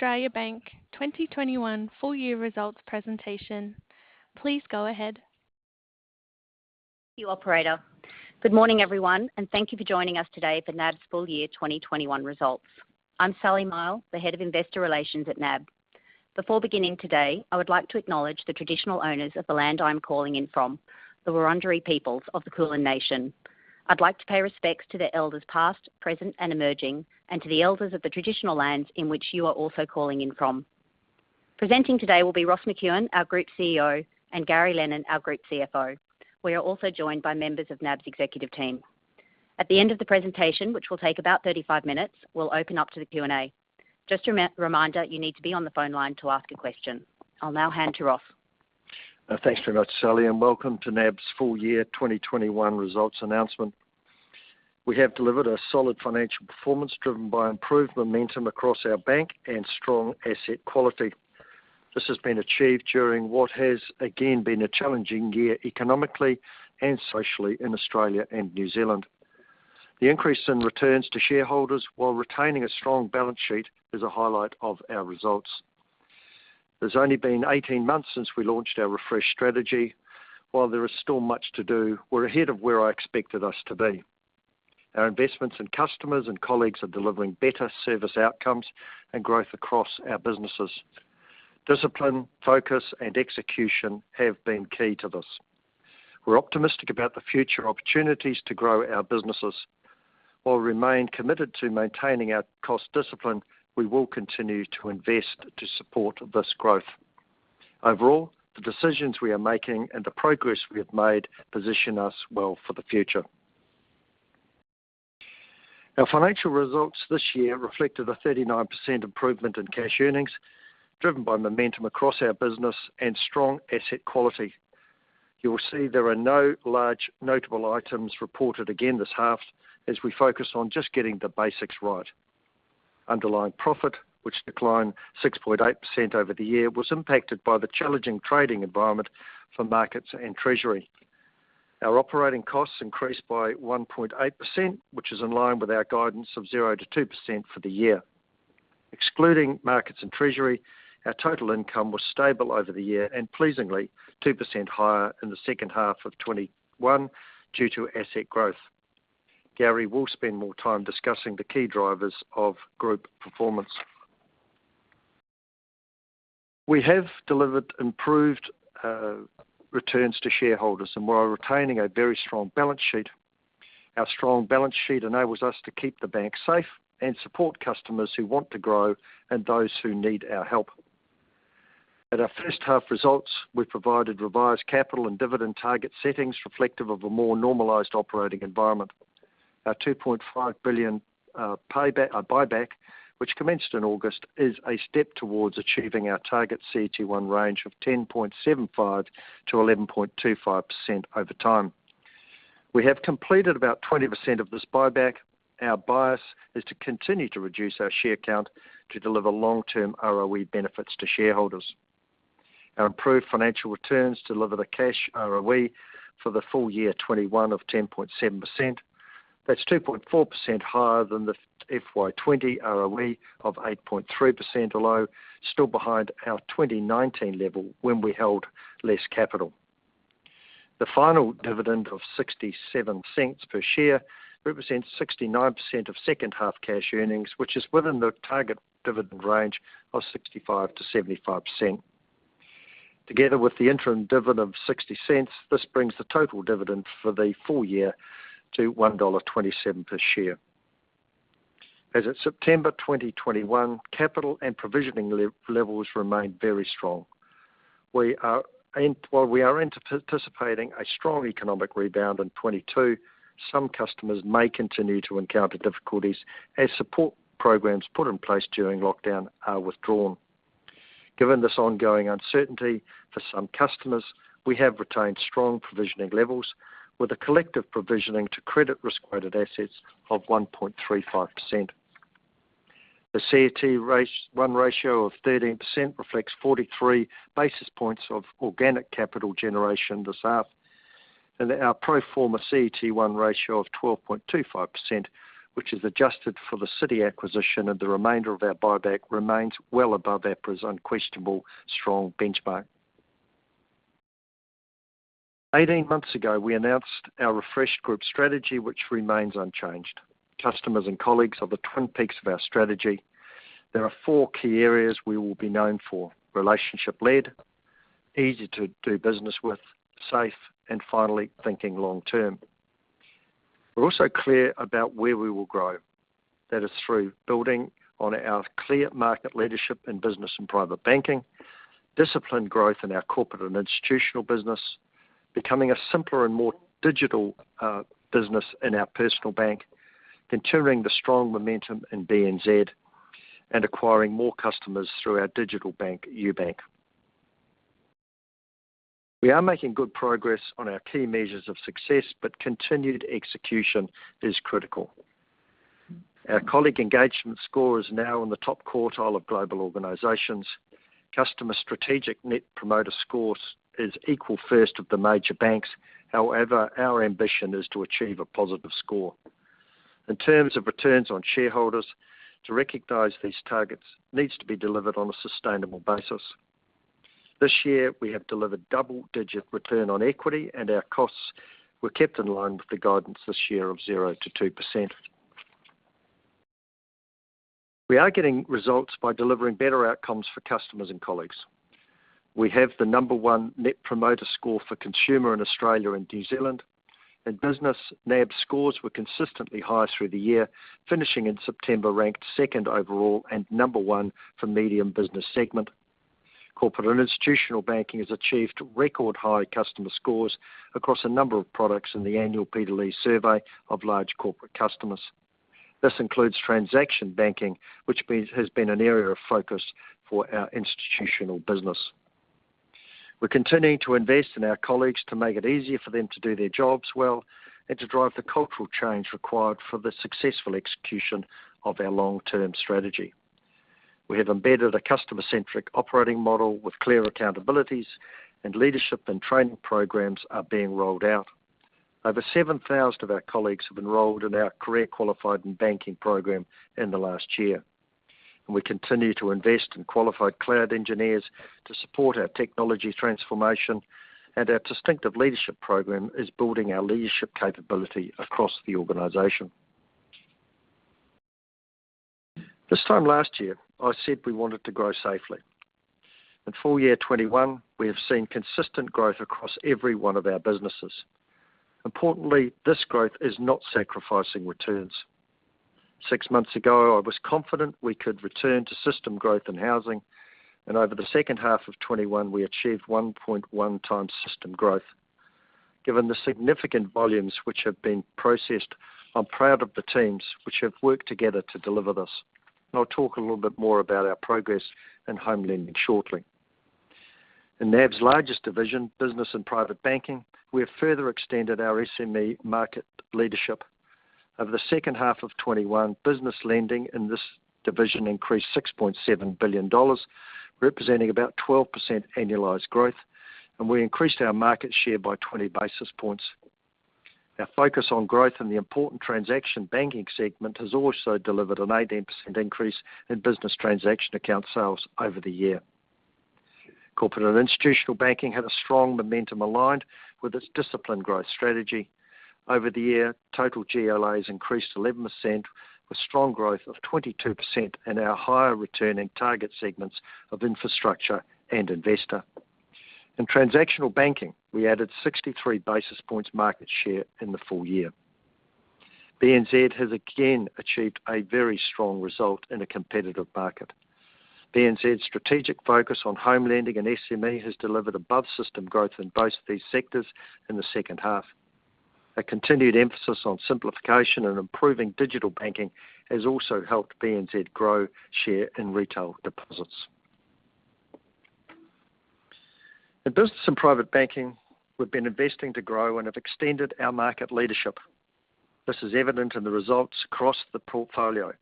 Australia Bank 2021 full year results presentation. Please go ahead. Thank you operator. Good morning, everyone, and thank you for joining us today for NAB's full year 2021 results. I'm Sally Mihell, the head of investor relations at NAB. Before beginning today, I would like to acknowledge the traditional owners of the land I'm calling in from, the Wurundjeri peoples of the Kulin Nation. I'd like to pay respects to the elders past, present, and emerging, and to the elders of the traditional lands in which you are also calling in from. Presenting today will be Ross McEwan, our Group CEO, and Gary Lennon, our Group CFO. We are also joined by members of NAB's executive team. At the end of the presentation, which will take about 35 minutes, we'll open up to the Q&A. Just a reminder, you need to be on the phone line to ask a question. I'll now hand to Ross. Thanks very much, Sally, and welcome to NAB's full year 2021 results announcement. We have delivered a solid financial performance driven by improved momentum across our bank and strong asset quality. This has been achieved during what has again been a challenging year economically and socially in Australia and New Zealand. The increase in returns to shareholders while retaining a strong balance sheet is a highlight of our results. There's only been 18 months since we launched our refresh strategy. While there is still much to do, we're ahead of where I expected us to be. Our investments in customers and colleagues are delivering better service outcomes and growth across our businesses. Discipline, focus, and execution have been key to this. We're optimistic about the future opportunities to grow our businesses. While we remain committed to maintaining our cost discipline, we will continue to invest to support this growth. Overall, the decisions we are making and the progress we have made position us well for the future. Our financial results this year reflected a 39% improvement in cash earnings, driven by momentum across our business and strong asset quality. You will see there are no large notable items reported again this half as we focus on just getting the basics right. Underlying profit, which declined 6.8% over the year, was impacted by the challenging trading environment for markets and treasury. Our operating costs increased by 1.8%, which is in line with our guidance of 0%-2% for the year. Excluding markets and treasury, our total income was stable over the year and pleasingly 2% higher in the second half of 2021 due to asset growth. Gary will spend more time discussing the key drivers of group performance. We have delivered improved returns to shareholders while retaining a very strong balance sheet. Our strong balance sheet enables us to keep the bank safe and support customers who want to grow and those who need our help. At our first half results, we provided revised capital and dividend target settings reflective of a more normalized operating environment. Our 2.5 billion buyback, which commenced in August, is a step towards achieving our target CET1 range of 10.75%-11.25% over time. We have completed about 20% of this buyback. Our bias is to continue to reduce our share count to deliver long-term ROE benefits to shareholders. Our improved financial returns deliver the cash ROE for the full year 2021 of 10.7%. That's 2.4% higher than the FY 2020 ROE of 8.3%, although still behind our 2019 level when we held less capital. The final dividend of 0.67 per share represents 69% of second-half cash earnings, which is within the target dividend range of 65%-75%. Together with the interim dividend of 0.60, this brings the total dividend for the full year to 1.27 dollar per share. As of September 2021, capital and provisioning levels remain very strong. While we are anticipating a strong economic rebound in 2022, some customers may continue to encounter difficulties as support programs put in place during lockdown are withdrawn. Given this ongoing uncertainty for some customers, we have retained strong provisioning levels with a collective provisioning to credit risk-weighted assets of 1.35%. The CET1 ratio of 13% reflects 43 basis points of organic capital generation this half. Our pro forma CET1 ratio of 12.25%, which is adjusted for the Citi acquisition and the remainder of our buyback, remains well above APRA's unquestionably strong benchmark. Eighteen months ago, we announced our refreshed group strategy, which remains unchanged. Customers and colleagues are the twin peaks of our strategy. There are four key areas we will be known for: relationship led, easy to do business with, safe, and finally, thinking long term. We're also clear about where we will grow. That is through building on our clear market leadership in business and private banking, disciplined growth in our corporate and institutional business, becoming a simpler and more digital business in our personal bank, continuing the strong momentum in BNZ, and acquiring more customers through our digital bank, UBank. We are making good progress on our key measures of success, but continued execution is critical. Our colleague engagement score is now in the top quartile of global organizations. Customer strategic Net Promoter Score is equal first of the major banks. However, our ambition is to achieve a positive score. In terms of shareholder returns, these targets need to be delivered on a sustainable basis. This year, we have delivered double-digit return on equity, and our costs were kept in line with the guidance this year of 0%-2%. We are getting results by delivering better outcomes for customers and colleagues. We have the number one net promoter score for consumer in Australia and New Zealand. In business, NAB's scores were consistently high through the year, finishing in September, ranked second overall and number one for medium business segment. Corporate and institutional banking has achieved record high customer scores across a number of products in the annual Peter Lee survey of large corporate customers. This includes transaction banking, which has been an area of focus for our institutional business. We're continuing to invest in our colleagues to make it easier for them to do their jobs well and to drive the cultural change required for the successful execution of our long-term strategy. We have embedded a customer-centric operating model with clear accountabilities, and leadership and training programs are being rolled out. Over 7,000 of our colleagues have enrolled in our career qualified and banking program in the last year. We continue to invest in qualified cloud engineers to support our technology transformation, and our distinctive leadership program is building our leadership capability across the organization. This time last year, I said we wanted to grow safely. In full year 2021, we have seen consistent growth across every one of our businesses. Importantly, this growth is not sacrificing returns. Six months ago, I was confident we could return to system growth and housing, and over the second half of 2021, we achieved 1.1 times system growth. Given the significant volumes which have been processed, I'm proud of the teams which have worked together to deliver this. I'll talk a little bit more about our progress in home lending shortly. In NAB's largest division, Business and Private Banking, we have further extended our SME market leadership. Over the second half of 2021, business lending in this division increased 6.7 billion dollars, representing about 12% annualized growth, and we increased our market share by 20 basis points. Our focus on growth in the important transaction banking segment has also delivered an 18% increase in business transaction account sales over the year. Corporate and Institutional Banking had a strong momentum aligned with its disciplined growth strategy. Over the year, total GLAs increased 11%, with strong growth of 22% in our higher returning target segments of infrastructure and investor. In transactional banking, we added 63 basis points market share in the full year. BNZ has again achieved a very strong result in a competitive market. BNZ's strategic focus on home lending and SME has delivered above system growth in both these sectors in the second half. A continued emphasis on simplification and improving digital banking has also helped BNZ grow share in retail deposits. In business and private banking, we've been investing to grow and have extended our market leadership. This is evident in the results across the portfolio.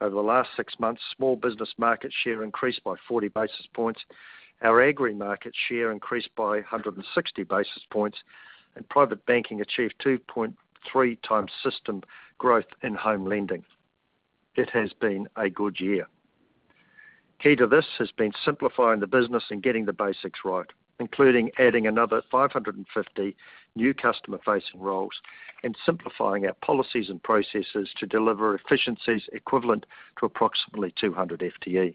Over the last six months, small business market share increased by 40 basis points. Our agri-market share increased by 160 basis points, and private banking achieved 2.3 times system growth in home lending. It has been a good year. Key to this has been simplifying the business and getting the basics right, including adding another 550 new customer-facing roles and simplifying our policies and processes to deliver efficiencies equivalent to approximately 200 FTE.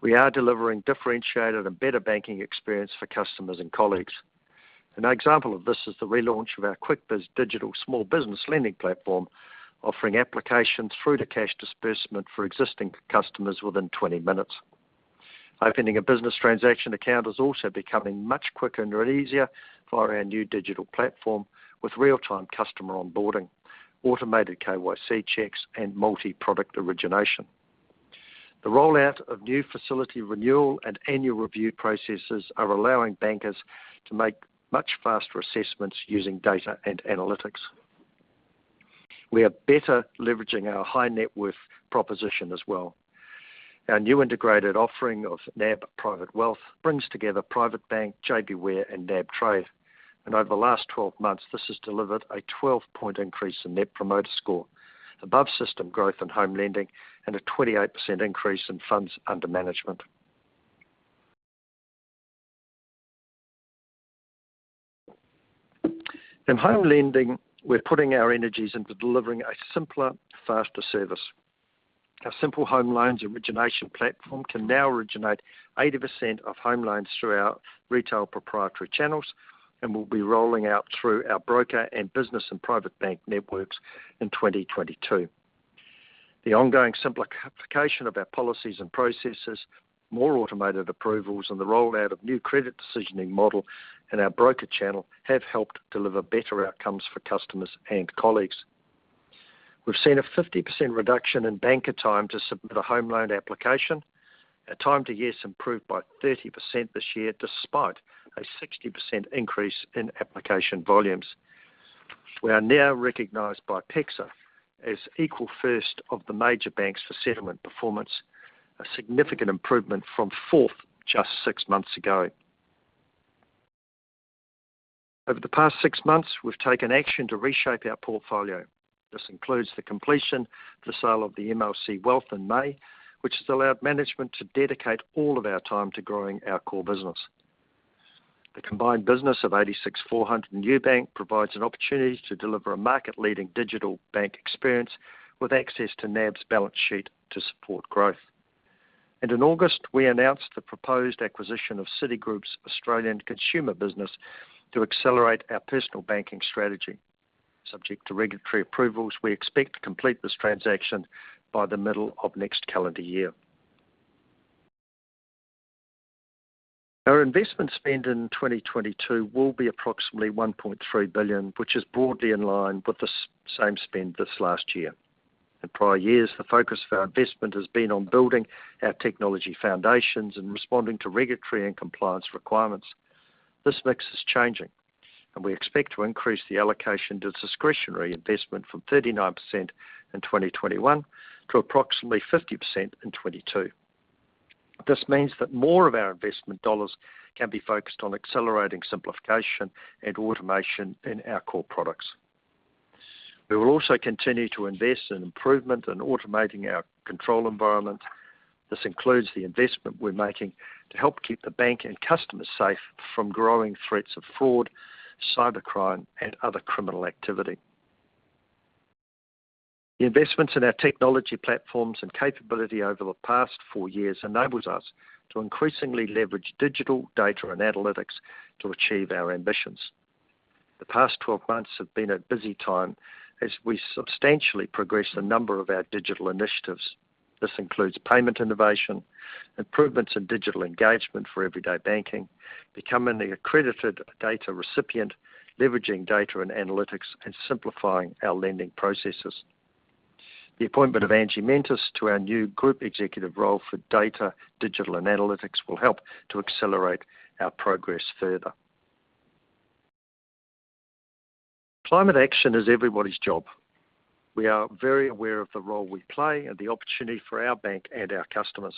We are delivering differentiated and better banking experience for customers and colleagues. An example of this is the relaunch of our QuickBiz digital small business lending platform, offering applications through to cash disbursement for existing customers within 20 minutes. Opening a business transaction account is also becoming much quicker and easier via our new digital platform with real-time customer onboarding, automated KYC checks, and multi-product origination. The rollout of new facility renewal and annual review processes are allowing bankers to make much faster assessments using data and analytics. We are better leveraging our high net worth proposition as well. Our new integrated offering of NAB Private Wealth brings together Private Bank, JBWere, and nabtrade. Over the last 12 months, this has delivered a 12-point increase in net promoter score, above-system growth in home lending, and a 28% increase in funds under management. In home lending, we're putting our energies into delivering a simpler, faster service. Our Simple Home Loans origination platform can now originate 80% of home loans through our retail proprietary channels and will be rolling out through our broker and business and private bank networks in 2022. The ongoing simplification of our policies and processes, more automated approvals, and the rollout of new credit decisioning model in our broker channel have helped deliver better outcomes for customers and colleagues. We've seen a 50% reduction in banker time to submit a home loan application. Our time to yes improved by 30% this year, despite a 60% increase in application volumes. We are now recognized by PEXA as equal first of the major banks for settlement performance, a significant improvement from fourth just six months ago. Over the past six months, we've taken action to reshape our portfolio. This includes the completion of the sale of the MLC Wealth in May, which has allowed management to dedicate all of our time to growing our core business. The combined business of 86 400 UBank provides an opportunity to deliver a market-leading digital bank experience with access to NAB's balance sheet to support growth. In August, we announced the proposed acquisition of Citigroup's Australian consumer business to accelerate our personal banking strategy. Subject to regulatory approvals, we expect to complete this transaction by the middle of next calendar year. Our investment spend in 2022 will be approximately 1.3 billion, which is broadly in line with the same spend this last year. In prior years, the focus of our investment has been on building our technology foundations and responding to regulatory and compliance requirements. This mix is changing, and we expect to increase the allocation to discretionary investment from 39% in 2021 to approximately 50% in 2022. This means that more of our investment dollars can be focused on accelerating simplification and automation in our core products. We will also continue to invest in improvement and automating our control environment. This includes the investment we're making to help keep the bank and customers safe from growing threats of fraud, cybercrime, and other criminal activity. The investments in our technology platforms and capability over the past 4 years enables us to increasingly leverage digital data and analytics to achieve our ambitions. The past 12 months have been a busy time as we substantially progressed a number of our digital initiatives. This includes payment innovation, improvements in digital engagement for everyday banking, becoming the accredited data recipient, leveraging data and analytics, and simplifying our lending processes. The appointment of Angie Mentis to our new group executive role for data, digital, and analytics will help to accelerate our progress further. Climate action is everybody's job. We are very aware of the role we play and the opportunity for our bank and our customers.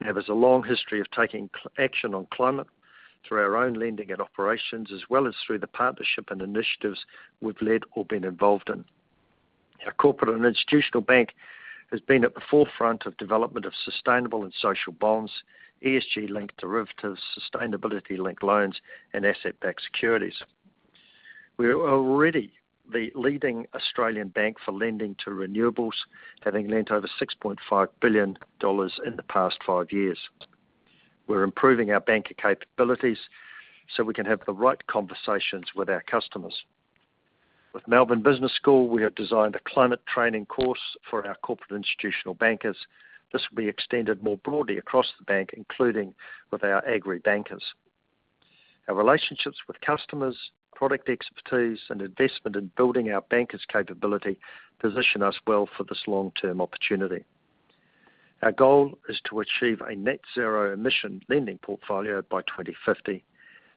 NAB has a long history of taking climate action on climate through our own lending and operations, as well as through the partnership and initiatives we've led or been involved in. Our corporate and institutional bank has been at the forefront of development of sustainable and social bonds, ESG-linked derivatives, sustainability-linked loans, and asset-backed securities. We're already the leading Australian bank for lending to renewables, having lent over 6.5 billion dollars in the past 5 years. We're improving our banker capabilities so we can have the right conversations with our customers. With Melbourne Business School, we have designed a climate training course for our corporate institutional bankers. This will be extended more broadly across the bank, including with our agri bankers. Our relationships with customers, product expertise, and investment in building our bankers' capability position us well for this long-term opportunity. Our goal is to achieve a net zero emission lending portfolio by 2050.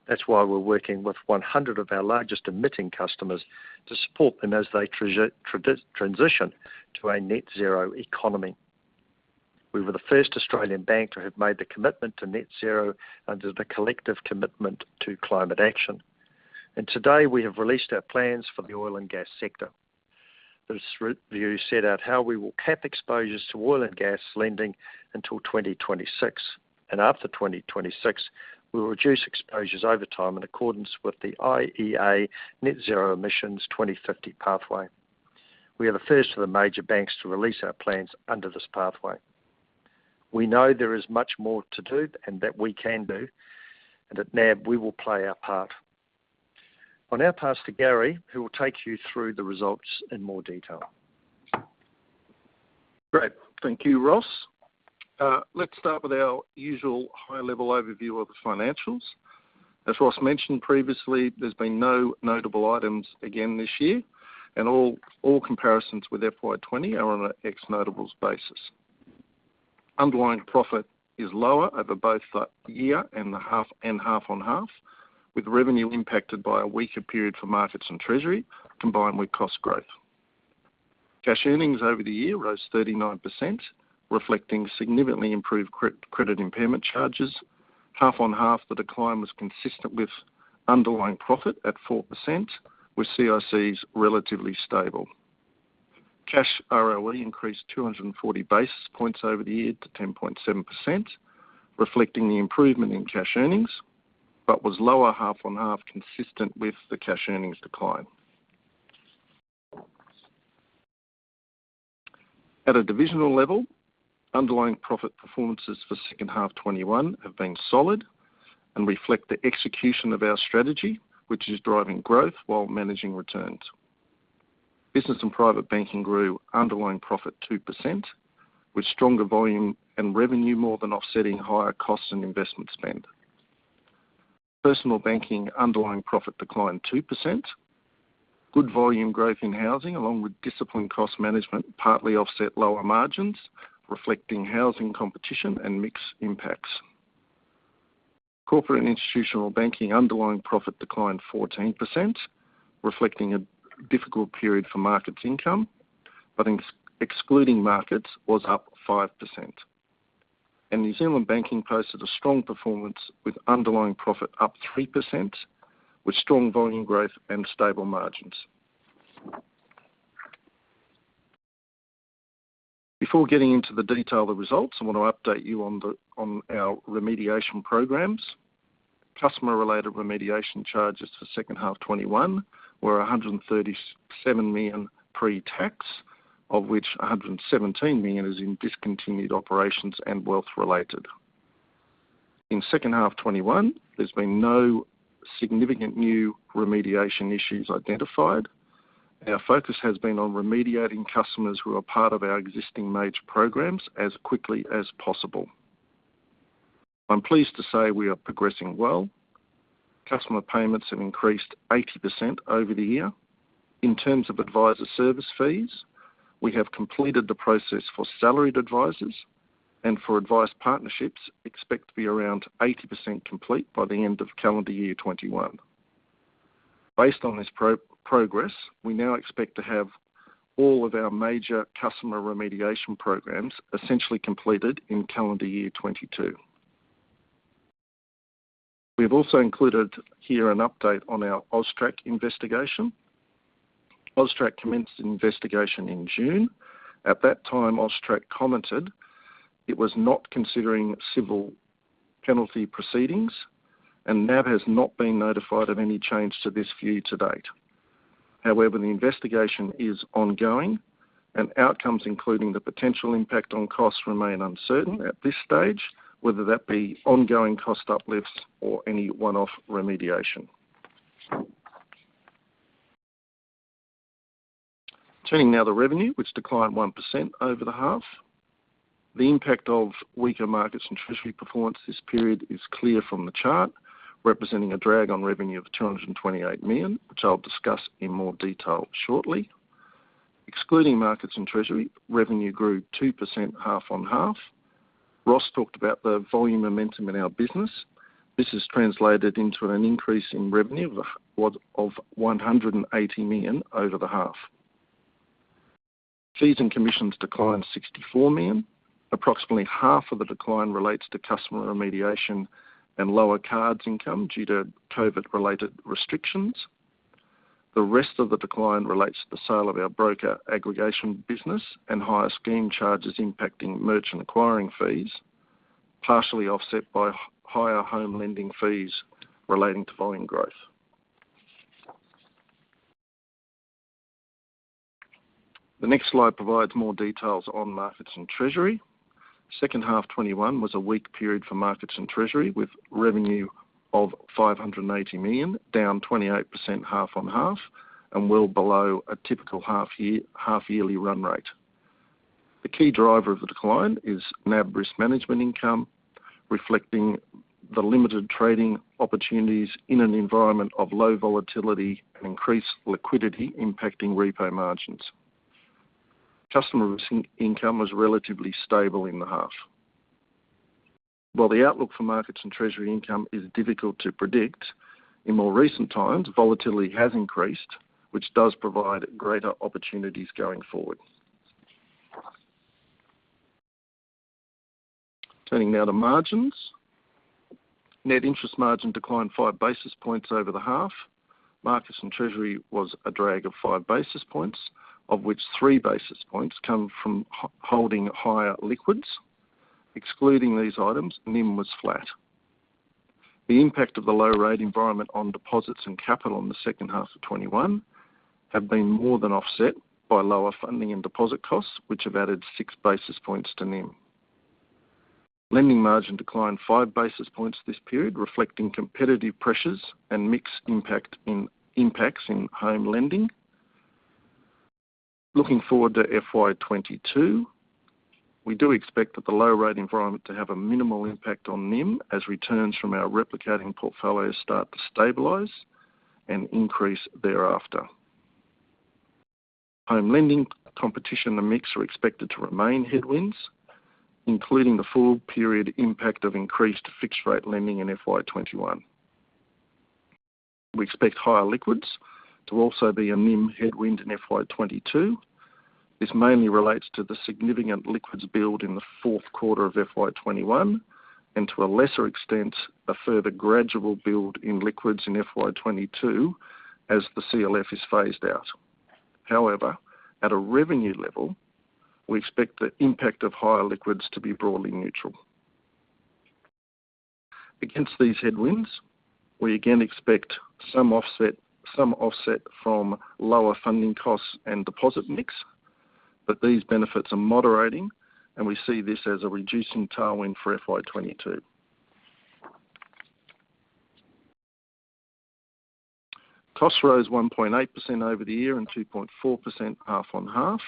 That's why we're working with 100 of our largest emitting customers to support them as they transition to a net zero economy. We were the first Australian bank to have made the commitment to net zero under the collective commitment to climate action. Today, we have released our plans for the oil and gas sector. This re-review set out how we will cap exposures to oil and gas lending until 2026, and after 2026, we will reduce exposures over time in accordance with the IEA net zero emissions 2050 pathway. We are the first of the major banks to release our plans under this pathway. We know there is much more to do and that we can do, and at NAB, we will play our part. I'll now pass to Gary, who will take you through the results in more detail. Great. Thank you, Ross. Let's start with our usual high-level overview of the financials. As Ross mentioned previously, there's been no notable items again this year, and all comparisons with FY 2020 are on an ex-notables basis. Underlying profit is lower over both the year and the half, and half-on-half, with revenue impacted by a weaker period for markets and treasury combined with cost growth. Cash earnings over the year rose 39%, reflecting significantly improved credit impairment charges. Half-on-half, the decline was consistent with underlying profit at 4%, with CICs relatively stable. Cash ROE increased 240 basis points over the year to 10.7%, reflecting the improvement in cash earnings, but was lower half-on-half, consistent with the cash earnings decline. At a divisional level, underlying profit performances for second half 2021 have been solid and reflect the execution of our strategy, which is driving growth while managing returns. Business and Private Banking grew underlying profit 2%, with stronger volume and revenue more than offsetting higher costs and investment spend. Personal Banking underlying profit declined 2%. Good volume growth in housing, along with disciplined cost management, partly offset lower margins, reflecting housing competition and mix impacts. Corporate and Institutional Banking underlying profit declined 14%, reflecting a difficult period for markets income, but excluding markets, was up 5%. New Zealand Banking posted a strong performance with underlying profit up 3%, with strong volume growth and stable margins. Before getting into the detail of the results, I want to update you on our remediation programs. Customer-related remediation charges for second half 2021 were 137 million pre-tax, of which 117 million is in discontinued operations and wealth-related. In second half 2021, there's been no significant new remediation issues identified. Our focus has been on remediating customers who are part of our existing major programs as quickly as possible. I'm pleased to say we are progressing well. Customer payments have increased 80% over the year. In terms of advisor service fees, we have completed the process for salaried advisors. For advice partnerships, expect to be around 80% complete by the end of calendar year 2021. Based on this progress, we now expect to have all of our major customer remediation programs essentially completed in calendar year 2022. We have also included here an update on our AUSTRAC investigation. AUSTRAC commenced an investigation in June. At that time, AUSTRAC commented it was not considering civil penalty proceedings, and NAB has not been notified of any change to this view to date. However, the investigation is ongoing and outcomes, including the potential impact on costs, remain uncertain at this stage, whether that be ongoing cost uplifts or any one-off remediation. Turning now to revenue, which declined 1% over the half. The impact of weaker markets and treasury performance this period is clear from the chart, representing a drag on revenue of 228 million, which I'll discuss in more detail shortly. Excluding markets and treasury, revenue grew 2% half-on-half. Ross talked about the volume momentum in our business. This has translated into an increase in revenue of 180 million over the half. Fees and commissions declined 64 million. Approximately half of the decline relates to customer remediation and lower cards income due to COVID-related restrictions. The rest of the decline relates to the sale of our broker aggregation business and higher scheme charges impacting merchant acquiring fees, partially offset by higher home lending fees relating to volume growth. The next slide provides more details on markets and treasury. Second half 2021 was a weak period for markets and treasury, with revenue of 580 million, down 28% half-on-half and well below a typical half-yearly run rate. The key driver of the decline is NAB risk management income, reflecting the limited trading opportunities in an environment of low volatility and increased liquidity impacting repo margins. Customer risk income was relatively stable in the half. While the outlook for markets and treasury income is difficult to predict, in more recent times, volatility has increased, which does provide greater opportunities going forward. Turning now to margins. Net interest margin declined 5 basis points over the half. Markets and treasury was a drag of 5 basis points, of which 3 basis points come from holding higher liquids. Excluding these items, NIM was flat. The impact of the low rate environment on deposits and capital in the second half of 2021 have been more than offset by lower funding and deposit costs, which have added 6 basis points to NIM. Lending margin declined 5 basis points this period, reflecting competitive pressures and mixed impacts in home lending. Looking forward to FY 2022, we do expect that the low rate environment to have a minimal impact on NIM as returns from our replicating portfolios start to stabilize and increase thereafter. Home lending competition and mix are expected to remain headwinds, including the full period impact of increased fixed rate lending in FY 2021. We expect higher liquids to also be a NIM headwind in FY 2022. This mainly relates to the significant liquids build in the fourth quarter of FY 2021, and to a lesser extent, a further gradual build in liquids in FY 2022 as the CLF is phased out. However, at a revenue level, we expect the impact of higher liquids to be broadly neutral. Against these headwinds, we again expect some offset from lower funding costs and deposit mix, but these benefits are moderating, and we see this as a reducing tailwind for FY 2022. Costs rose 1.8% over the year and 2.4% half-on-half.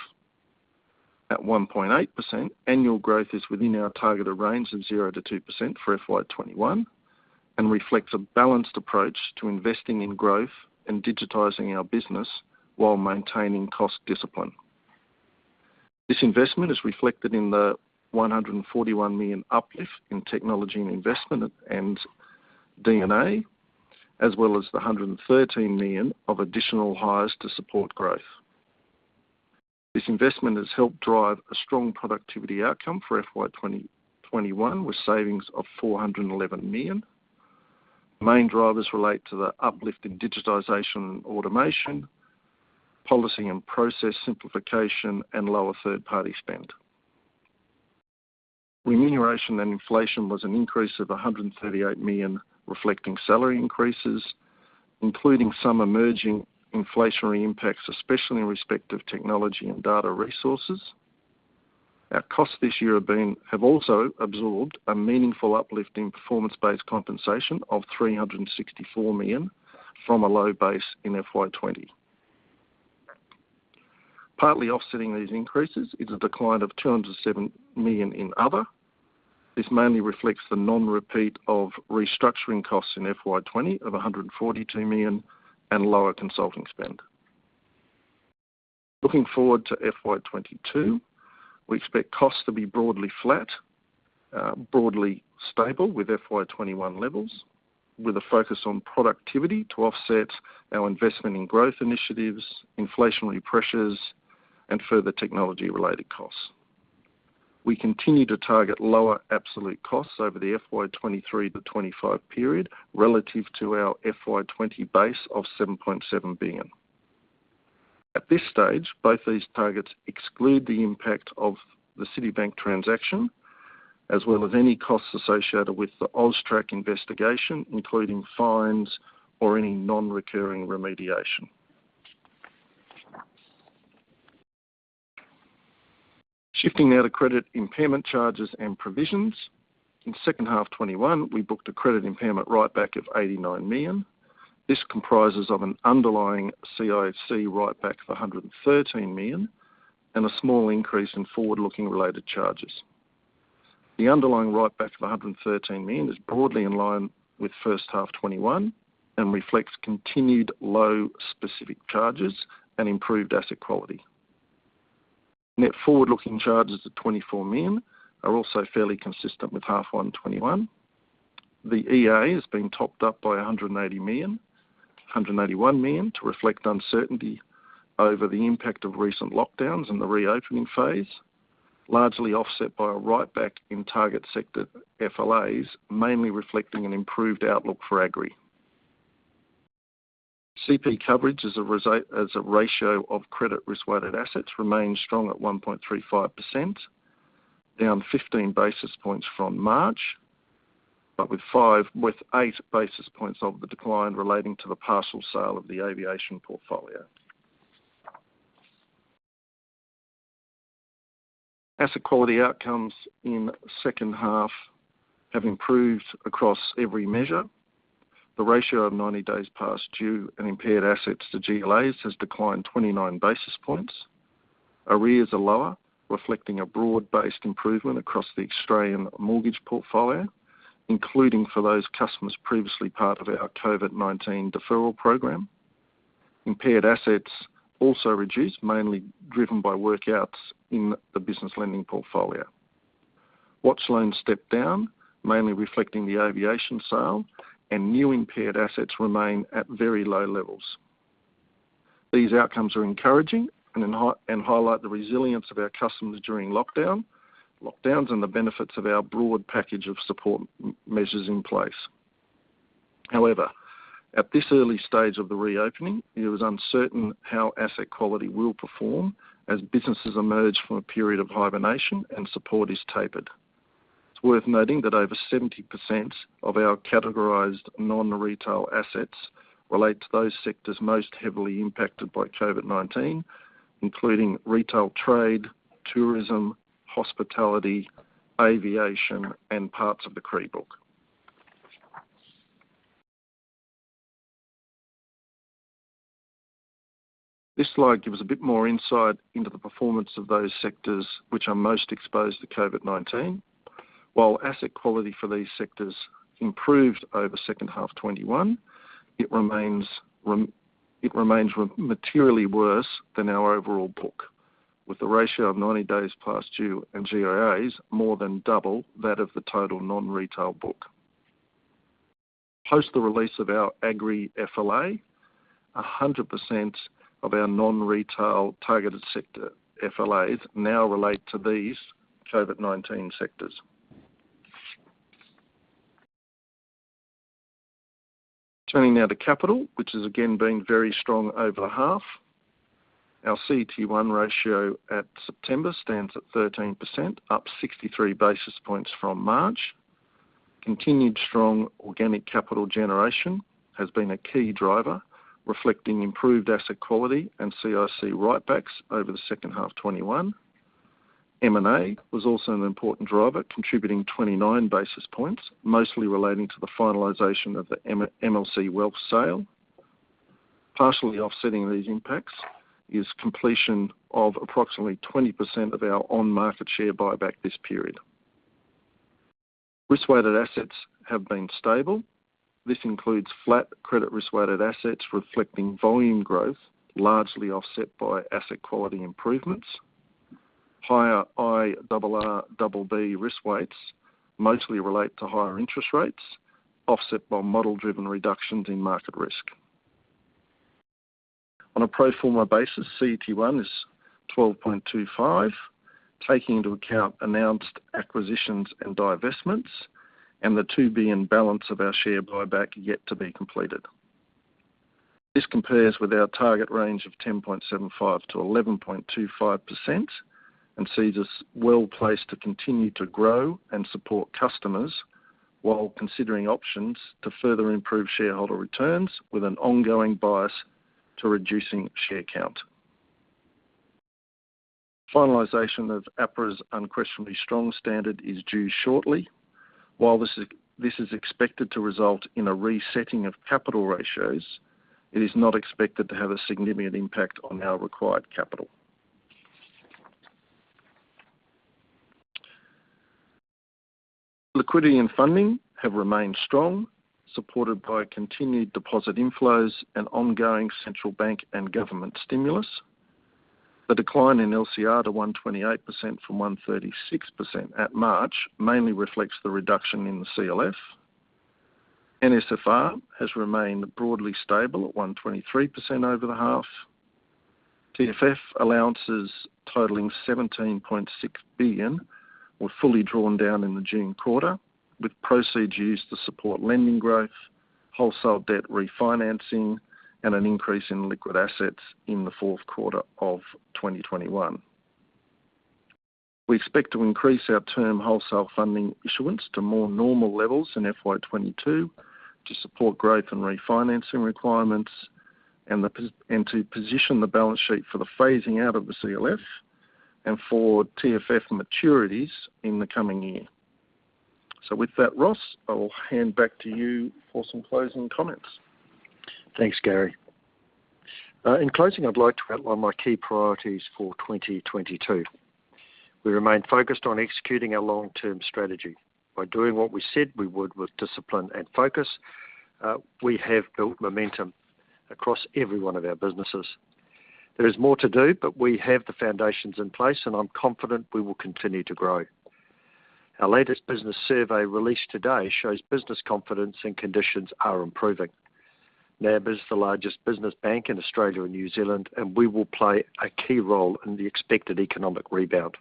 At 1.8%, annual growth is within our targeted range of 0%-2% for FY 2021 and reflects a balanced approach to investing in growth and digitizing our business while maintaining cost discipline. This investment is reflected in the 141 million uplift in technology and investment and D&A, as well as the 113 million of additional hires to support growth. This investment has helped drive a strong productivity outcome for FY 2021, with savings of 411 million. Main drivers relate to the uplift in digitization and automation, policy and process simplification, and lower third-party spend. Remuneration and inflation was an increase of 138 million, reflecting salary increases, including some emerging inflationary impacts, especially in respect of technology and data resources. Our costs this year have also absorbed a meaningful uplift in performance-based compensation of 364 million from a low base in FY 2020. Partly offsetting these increases is a decline of 207 million in other. This mainly reflects the non-repeat of restructuring costs in FY 2020 of 142 million and lower consulting spend. Looking forward to FY 2022, we expect costs to be broadly flat, broadly stable with FY 2021 levels, with a focus on productivity to offset our investment in growth initiatives, inflationary pressures, and further technology related costs. We continue to target lower absolute costs over the FY 2023 to 2025 period, relative to our FY 2020 base of 7.7 billion. At this stage, both these targets exclude the impact of the Citigroup transaction, as well as any costs associated with the AUSTRAC investigation, including fines or any non-recurring remediation. Shifting now to credit impairment charges and provisions. In second half 2021, we booked a credit impairment write-back of 89 million. This comprises of an underlying CIC write-back of 113 million, and a small increase in forward-looking related charges. The underlying write-back of 113 million is broadly in line with first half 2021, and reflects continued low specific charges and improved asset quality. Net forward-looking charges of 24 million are also fairly consistent with half one 2021. The EA has been topped up by 180 million, 181 million to reflect uncertainty over the impact of recent lockdowns and the reopening phase, largely offset by a write-back in target sector FLAs, mainly reflecting an improved outlook for agri. CP coverage as a ratio of credit risk-weighted assets remains strong at 1.35%, down 15 basis points from March, but with eight basis points of the decline relating to the parcel sale of the aviation portfolio. Asset quality outcomes in second half have improved across every measure. The ratio of 90 days past due and impaired assets to GLAs has declined 29 basis points. Arrears are lower, reflecting a broad-based improvement across the Australian mortgage portfolio, including for those customers previously part of our COVID-19 deferral program. Impaired assets also reduced, mainly driven by work-outs in the business lending portfolio. Watch loans stepped down, mainly reflecting the aviation sale, and new impaired assets remain at very low levels. These outcomes are encouraging and highlight the resilience of our customers during lockdowns, and the benefits of our broad package of support measures in place. However, at this early stage of the reopening, it is uncertain how asset quality will perform as businesses emerge from a period of hibernation and support is tapered. It's worth noting that over 70% of our categorized non-retail assets relate to those sectors most heavily impacted by COVID-19, including retail trade, tourism, hospitality, aviation, and parts of the CRE book. This slide gives a bit more insight into the performance of those sectors which are most exposed to COVID-19. While asset quality for these sectors improved over second half 2021, it remains materially worse than our overall book, with the ratio of 90 days past due and GLAs more than double that of the total non-retail book. Post the release of our agri FLA, 100% of our non-retail targeted sector FLAs now relate to these COVID-19 sectors. Turning now to capital, which has again been very strong over half. Our CET1 ratio at September stands at 13%, up 63 basis points from March. Continued strong organic capital generation has been a key driver, reflecting improved asset quality and CIC write-backs over the second half 2021. M&A was also an important driver, contributing 29 basis points, mostly relating to the finalization of the MLC Wealth sale. Partially offsetting these impacts is completion of approximately 20% of our on-market share buyback this period. Risk-weighted assets have been stable. This includes flat credit risk-weighted assets reflecting volume growth, largely offset by asset quality improvements. Higher IRRBB risk weights mostly relate to higher interest rates, offset by model-driven reductions in market risk. On a pro forma basis, CET1 is 12.25, taking into account announced acquisitions and divestments, and the 2 billion balance of our share buyback yet to be completed. This compares with our target range of 10.75%-11.25% and sees us well-placed to continue to grow and support customers while considering options to further improve shareholder returns with an ongoing bias to reducing share count. Finalization of APRA's unquestionably strong standard is due shortly. While this is expected to result in a resetting of capital ratios, it is not expected to have a significant impact on our required capital. Liquidity and funding have remained strong, supported by continued deposit inflows and ongoing central bank and government stimulus. The decline in LCR to 128% from 136% at March mainly reflects the reduction in the CLF. NSFR has remained broadly stable at 123% over the half. TFF allowances totaling 17.6 billion were fully drawn down in the June quarter, with proceeds used to support lending growth, wholesale debt refinancing, and an increase in liquid assets in the fourth quarter of 2021. We expect to increase our term wholesale funding issuance to more normal levels in FY 2022 to support growth and refinancing requirements and to position the balance sheet for the phasing out of the CLF and for TFF maturities in the coming year. With that, Ross, I will hand back to you for some closing comments. Thanks, Gary. In closing, I'd like to outline my key priorities for 2022. We remain focused on executing our long-term strategy. By doing what we said we would with discipline and focus, we have built momentum across every one of our businesses. There is more to do, but we have the foundations in place, and I'm confident we will continue to grow. Our latest business survey, released today, shows business confidence and conditions are improving. NAB is the largest business bank in Australia and New Zealand, and we will play a key role in the expected economic rebound.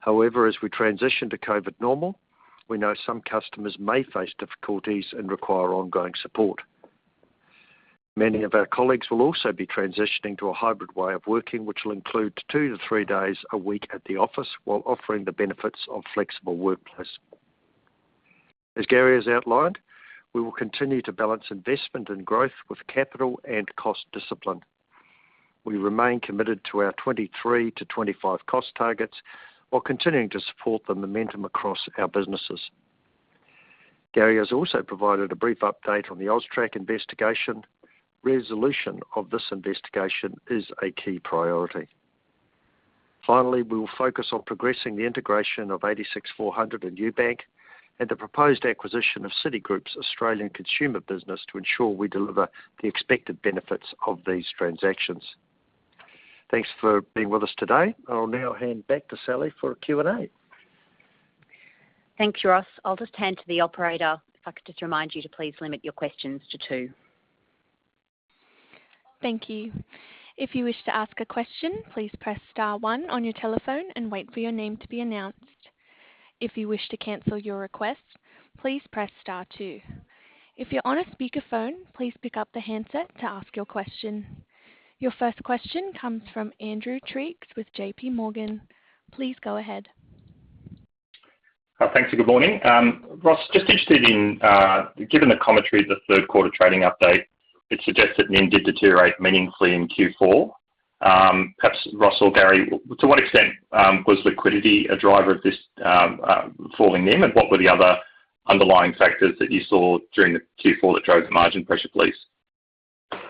However, as we transition to COVID normal, we know some customers may face difficulties and require ongoing support. Many of our colleagues will also be transitioning to a hybrid way of working, which will include 2-3 days a week at the office while offering the benefits of flexible workplace. As Gary has outlined, we will continue to balance investment and growth with capital and cost discipline. We remain committed to our 23-25 cost targets while continuing to support the momentum across our businesses. Gary has also provided a brief update on the AUSTRAC investigation. Resolution of this investigation is a key priority. Finally, we will focus on progressing the integration of 86 400 and UBank and the proposed acquisition of Citigroup's Australian consumer business to ensure we deliver the expected benefits of these transactions. Thanks for being with us today. I'll now hand back to Sally for a Q&A. Thanks, Ross. I'll just hand to the operator. If I could just remind you to please limit your questions to two. Thank you. If you wish to ask a question, please press *1 on your telephone and wait for your name to be announced. If you wish to cancel your request, please press star two. If you're on a speakerphone, please pick up the handset to ask your question. Your first question comes from Andrew Triggs with J.P. Morgan. Please go ahead. Thanks. Good morning. Ross, just interested in, given the commentary of the third quarter trading update, it suggests that NIM did deteriorate meaningfully in Q4. Perhaps Ross or Gary, to what extent was liquidity a driver of this falling NIM, and what were the other underlying factors that you saw during the Q4 that drove the margin pressure, please?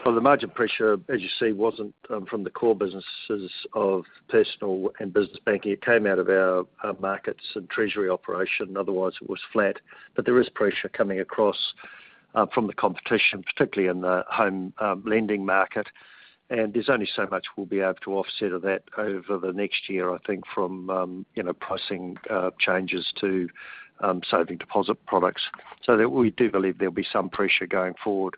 Well, the margin pressure, as you see, wasn't from the core businesses of personal and business banking. It came out of our markets and treasury operation, otherwise it was flat. There is pressure coming across from the competition, particularly in the home lending market. There's only so much we'll be able to offset of that over the next year, I think from you know, pricing changes to saving deposit products. We do believe there'll be some pressure going forward,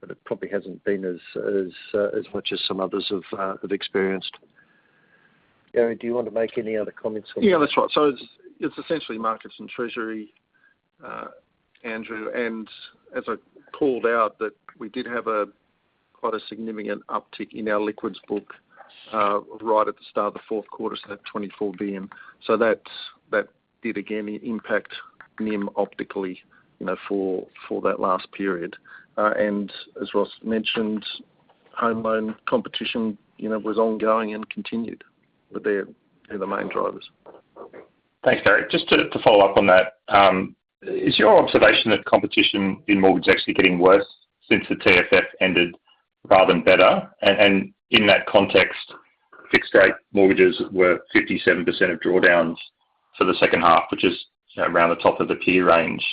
but it probably hasn't been as much as some others have experienced. Gary, do you want to make any other comments on that? Yeah, that's right. It's essentially markets and treasury, Andrew. As I called out, we did have a quite significant uptick in our liquids book right at the start of the fourth quarter, so that 24 billion. That did again impact NIM optically, you know, for that last period. As Ross mentioned, home loan competition, you know, was ongoing and continued. They're the main drivers. Thanks, Gary. Just to follow up on that, is your observation that competition in mortgage actually getting worse since the TFF ended rather than better? In that context, fixed rate mortgages were 57% of drawdowns for the second half, which is, you know, around the top of the peer range.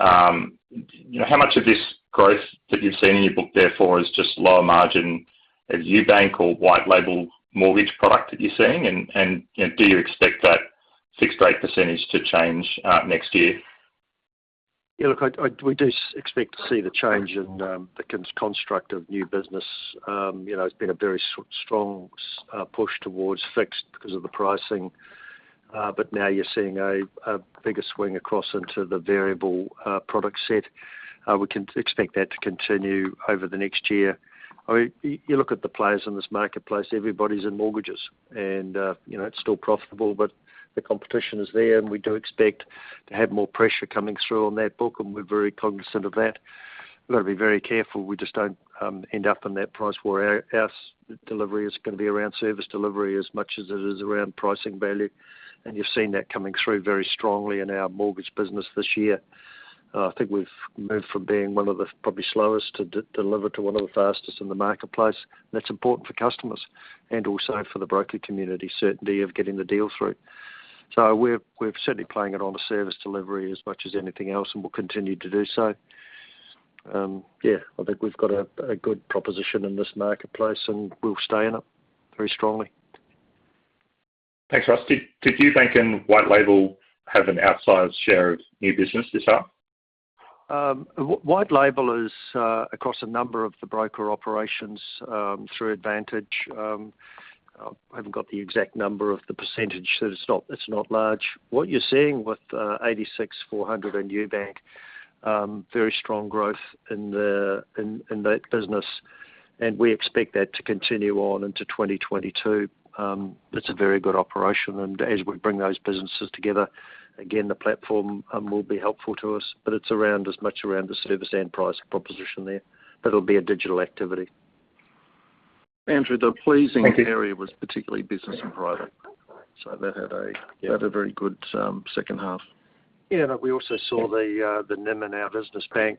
You know, how much of this growth that you've seen in your book therefore is just lower margin as UBank or white label mortgage product that you're seeing and do you expect that 6%-8% to change next year? Yeah, look, we do expect to see the change in the construct of new business. You know, it's been a very strong push towards fixed because of the pricing. But now you're seeing a bigger swing across into the variable product set. We can expect that to continue over the next year. I mean, you look at the players in this marketplace, everybody's in mortgages and, you know, it's still profitable, but the competition is there, and we do expect to have more pressure coming through on that book, and we're very cognizant of that. We've got to be very careful we just don't end up in that price war. Our delivery is gonna be around service delivery as much as it is around pricing value. You've seen that coming through very strongly in our mortgage business this year. I think we've moved from being one of the probably slowest to deliver to one of the fastest in the marketplace. That's important for customers and also for the broker community, certainty of getting the deal through. We're certainly playing it on the service delivery as much as anything else, and we'll continue to do so. I think we've got a good proposition in this marketplace, and we'll stay in it very strongly. Thanks, Ross. Did UBank and White Label have an outsized share of new business this half? White Label is across a number of the broker operations through Advantedge. I haven't got the exact number of the percentage. It's not large. What you're seeing with 86 400 and UBank, very strong growth in that business, and we expect that to continue on into 2022. It's a very good operation. As we bring those businesses together, again, the platform will be helpful to us. But it's around, as much around the service and price proposition there. That'll be a digital activity. Andrew, the pleasing area was particularly business and private. That had a Yeah. Had a very good second half. Yeah. We also saw the NIM in our business bank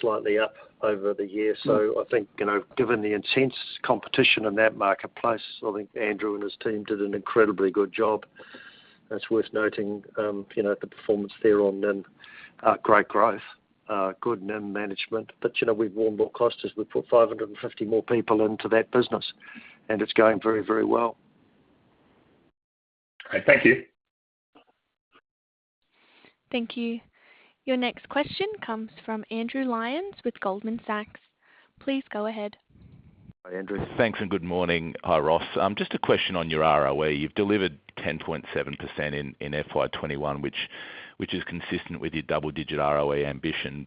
slightly up over the year. I think, you know, given the intense competition in that marketplace, I think Andrew and his team did an incredibly good job. It's worth noting, you know, the performance there on NIM, great growth, good NIM management. We've added more costs as we put 550 more people into that business, and it's going very, very well. Great. Thank you. Thank you. Your next question comes from Andrew Lyons with Goldman Sachs. Please go ahead. Hi, Andrew. Thanks and good morning. Hi, Ross. Just a question on your ROE. You've delivered 10.7% in FY 2021, which is consistent with your double-digit ROE ambition.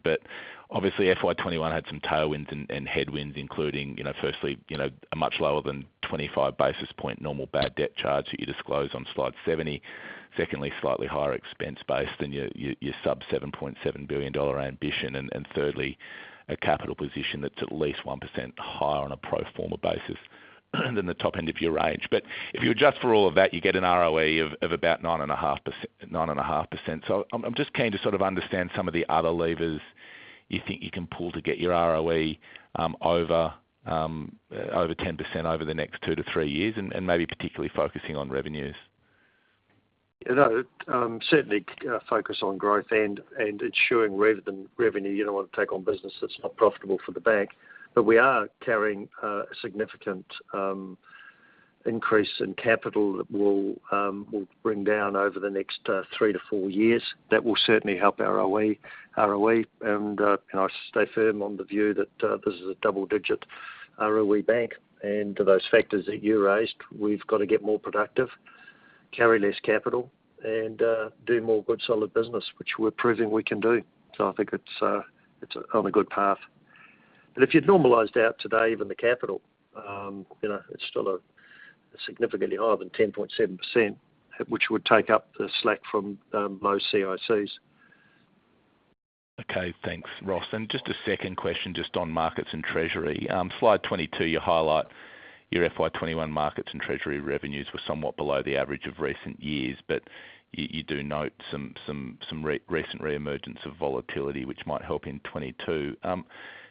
Obviously FY 2021 had some tailwinds and headwinds, including, you know, firstly, you know, a much lower than 25 basis point normal bad debt charge that you disclose on slide 70. Secondly, slightly higher expense base than your sub 7.7 billion dollar ambition. Thirdly, a capital position that's at least 1% higher on a pro forma basis than the top end of your range. If you adjust for all of that, you get an ROE of about 9.5%. I'm just keen to sort of understand some of the other levers you think you can pull to get your ROE over 10% over the next two to three years, and maybe particularly focusing on revenues. You know, certainly focus on growth and ensuring revenue. You don't want to take on business that's not profitable for the bank. We are carrying a significant increase in capital that we'll bring down over the next 3-4 years. That will certainly help ROE. You know, I stay firm on the view that this is a double-digit ROE bank. To those factors that you raised, we've got to get more productive, carry less capital, and do more good solid business, which we're proving we can do. I think it's on a good path. If you'd normalized out today even the capital, you know, it's still significantly higher than 10.7%, which would take up the slack from low CICs. Okay. Thanks, Ross. Just a second question, just on markets and treasury. Slide 22, you highlight your FY 2021 markets and treasury revenues were somewhat below the average of recent years, but you do note some recent reemergence of volatility, which might help in 2022.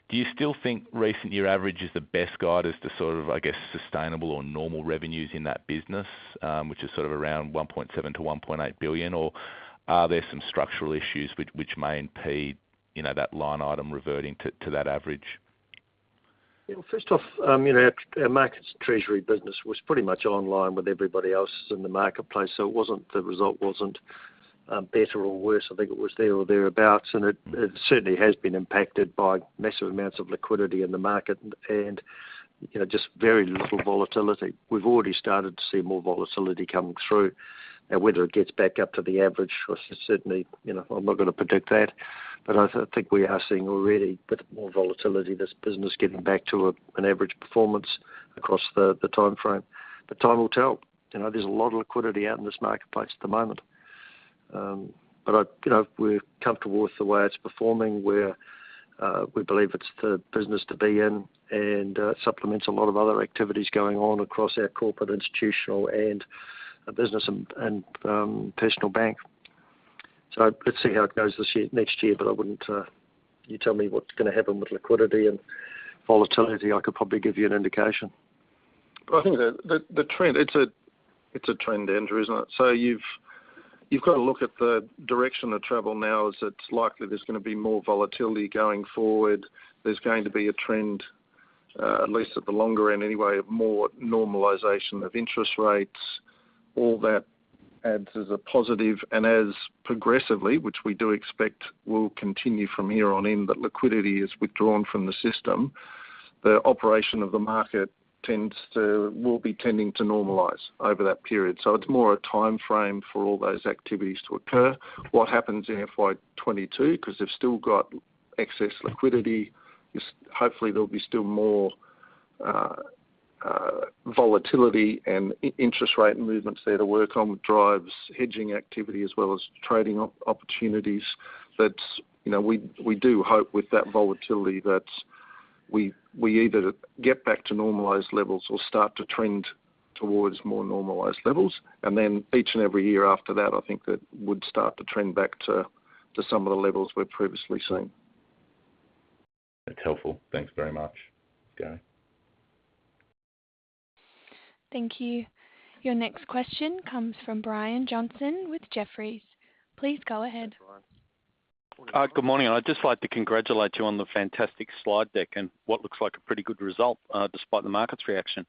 Do you still think recent year average is the best guide as to sort of, I guess, sustainable or normal revenues in that business, which is sort of around 1.7 billion-1.8 billion? Or are there some structural issues which may impede, you know, that line item reverting to that average? Yeah, well, first off, you know, our markets treasury business was pretty much online with everybody else in the marketplace. It wasn't, the result wasn't better or worse. I think it was there or thereabouts. It certainly has been impacted by massive amounts of liquidity in the market and, you know, just very little volatility. We've already started to see more volatility coming through. Now, whether it gets back up to the average, certainly, you know, I'm not gonna predict that. I think we are seeing already a bit more volatility, this business getting back to an average performance across the timeframe. Time will tell. You know, there's a lot of liquidity out in this marketplace at the moment. I, you know, we're comfortable with the way it's performing. We believe it's the business to be in and supplements a lot of other activities going on across our corporate, institutional, and business and personal bank. Let's see how it goes this year, next year, but I wouldn't. You tell me what's gonna happen with liquidity and volatility, I could probably give you an indication. I think the trend, it's a trend, Andrew, isn't it? You've got to look at the direction of travel now is it's likely there's gonna be more volatility going forward. There's going to be a trend, at least at the longer end anyway, of more normalization of interest rates. All that adds as a positive and as progressively, which we do expect will continue from here on in, that liquidity is withdrawn from the system. The operation of the market will be tending to normalize over that period. It's more a timeframe for all those activities to occur. What happens in FY 2022, 'cause they've still got excess liquidity, is hopefully there'll be still more volatility and interest rate movements there to work on, which drives hedging activity as well as trading opportunities. You know, we do hope with that volatility that we either get back to normalized levels or start to trend towards more normalized levels. Then each and every year after that, I think that would start to trend back to some of the levels we've previously seen. That's helpful. Thanks very much, Gary. Thank you. Your next question comes from Brian Johnson with Jefferies. Please go ahead. Good morning. I'd just like to congratulate you on the fantastic slide deck and what looks like a pretty good result, despite the market's reaction.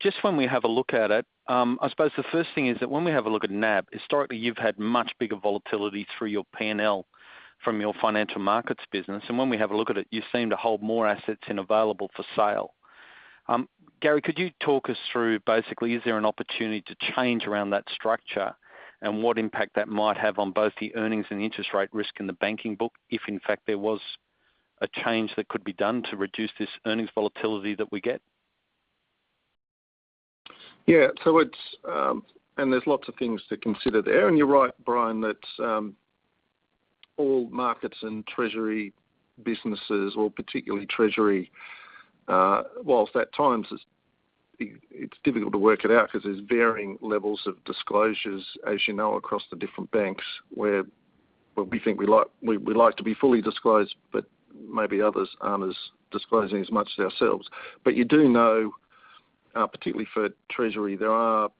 Just when we have a look at it, I suppose the first thing is that when we have a look at NAB, historically, you've had much bigger volatility through your P&L from your financial markets business. When we have a look at it, you seem to hold more assets available for sale. Gary, could you talk us through basically, is there an opportunity to change around that structure and what impact that might have on both the earnings and the interest rate risk in the banking book, if in fact there was a change that could be done to reduce this earnings volatility that we get? So it's. There's lots of things to consider there. You're right, Brian, that all markets and treasury businesses, or particularly treasury, while at times it's difficult to work it out 'cause there's varying levels of disclosures, as you know, across the different banks, where we think we like to be fully disclosed, but maybe others aren't as disclosing as much as ourselves. But you do know, particularly for treasury, there are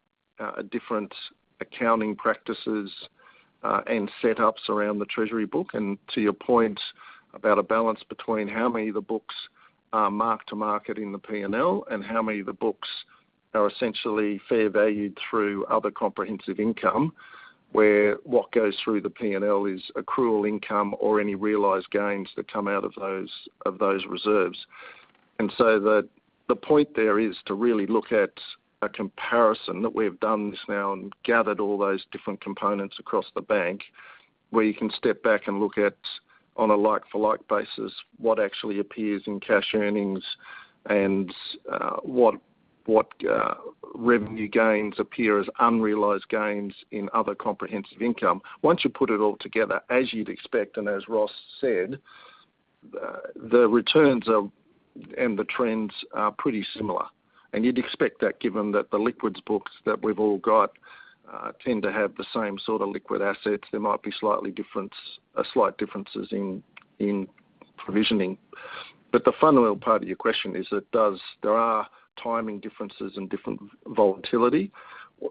different accounting practices and setups around the treasury book. To your point about a balance between how many of the books are mark to market in the P&L and how many of the books are essentially fair valued through other comprehensive income, where what goes through the P&L is accrual income or any realized gains that come out of those reserves. The point there is to really look at a comparison that we've done this now and gathered all those different components across the bank, where you can step back and look at on a like for like basis what actually appears in cash earnings and what revenue gains appear as unrealized gains in other comprehensive income. Once you put it all together, as you'd expect and as Ross said, the returns of and the trends are pretty similar. You'd expect that given that the liquid books that we've all got tend to have the same sort of liquid assets. There might be slight differences in provisioning. But the fundamental part of your question is that there are timing differences and different volatility.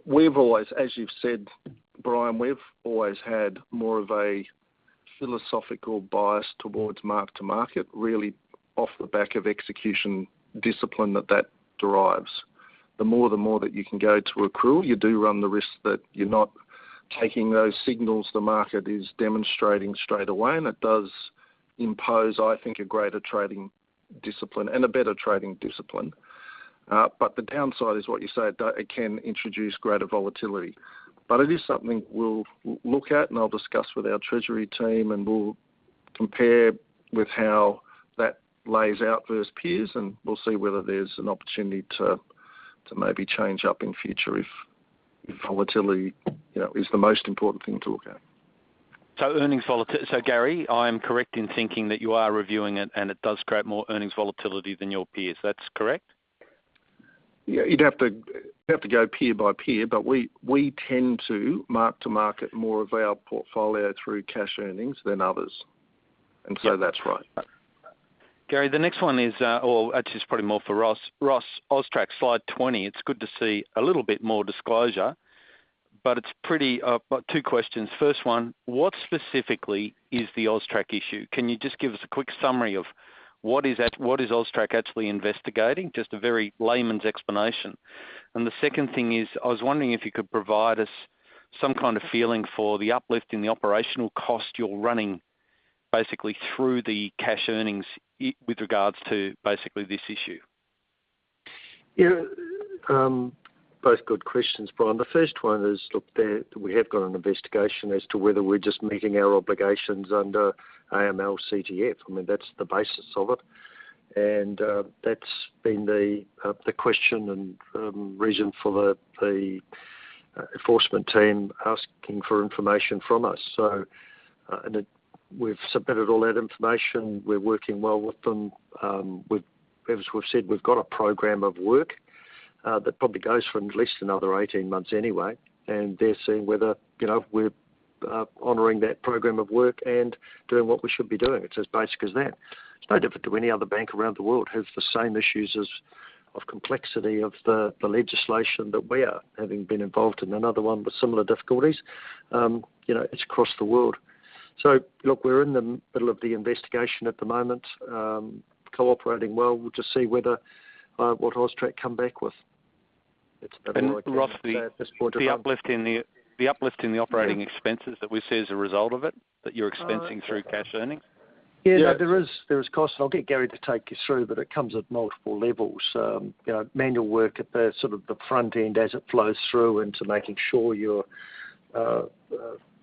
We've always, as you've said, Brian, we've always had more of a philosophical bias towards mark to market, really off the back of execution discipline that that derives. The more, the more that you can go to accrue, you do run the risk that you're not taking those signals the market is demonstrating straightaway, and it does impose, I think, a greater trading discipline and a better trading discipline. The downside is what you say. It can introduce greater volatility. It is something we'll look at and I'll discuss with our treasury team, and we'll compare with how that lays out versus peers, and we'll see whether there's an opportunity to maybe change up in future if volatility, you know, is the most important thing to look at. Gary, I'm correct in thinking that you are reviewing it and it does create more earnings volatility than your peers. That's correct? Yeah. You'd have to go peer by peer, but we tend to mark to market more of our portfolio through cash earnings than others. That's right. Gary, the next one is, or actually it's probably more for Ross. Ross, AUSTRAC, slide 20. It's good to see a little bit more disclosure, but it's pretty two questions. First one, what specifically is the AUSTRAC issue? Can you just give us a quick summary of what is AUSTRAC actually investigating? Just a very layman's explanation. The second thing is, I was wondering if you could provide us some kind of feeling for the uplift in the operational cost you're running basically through the cash earnings with regards to basically this issue. Yeah. Both good questions, Brian. The first one is, look, we have got an investigation as to whether we're just meeting our obligations under AML/CTF. I mean, that's the basis of it. That's been the question and reason for the enforcement team asking for information from us. We've submitted all that information. We're working well with them. We've got a program of work that probably goes for at least another 18 months anyway. They're seeing whether, you know, we're honoring that program of work and doing what we should be doing. It's as basic as that. It's no different to any other bank around the world that has the same issues as to complexity of the legislation that we have been involved in another one with similar difficulties. You know, it's across the world. Look, we're in the middle of the investigation at the moment, cooperating well. We'll just see whether what AUSTRAC come back with. It's the middle right there. Ross, the uplift in the operating expenses that we see as a result of it, that you're expensing through cash earnings? There is cost. I'll get Gary to take you through, but it comes at multiple levels. You know, manual work at the sort of front end as it flows through into making sure you're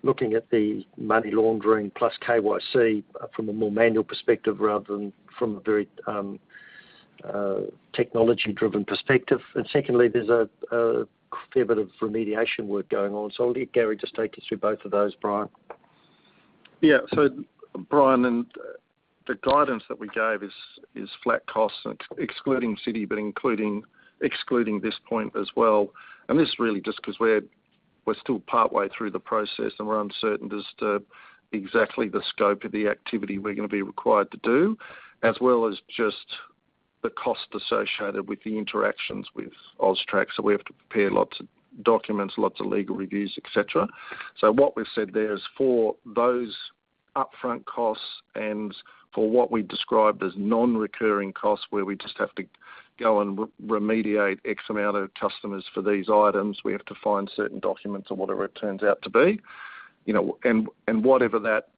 looking at the money laundering plus KYC from a more manual perspective rather than from a very technology-driven perspective. Secondly, there's a fair bit of remediation work going on. I'll get Gary just take you through both of those, Brian. Yeah. Brian, the guidance that we gave is flat costs and excluding Citi, but excluding this point as well. This is really just 'cause we're still partway through the process, and we're uncertain as to exactly the scope of the activity we're gonna be required to do, as well as just the cost associated with the interactions with AUSTRAC. We have to prepare lots of documents, lots of legal reviews, et cetera. What we've said there is for those upfront costs and for what we described as non-recurring costs, where we just have to go and remediate X amount of customers for these items. We have to find certain documents or whatever it turns out to be. You know, whatever that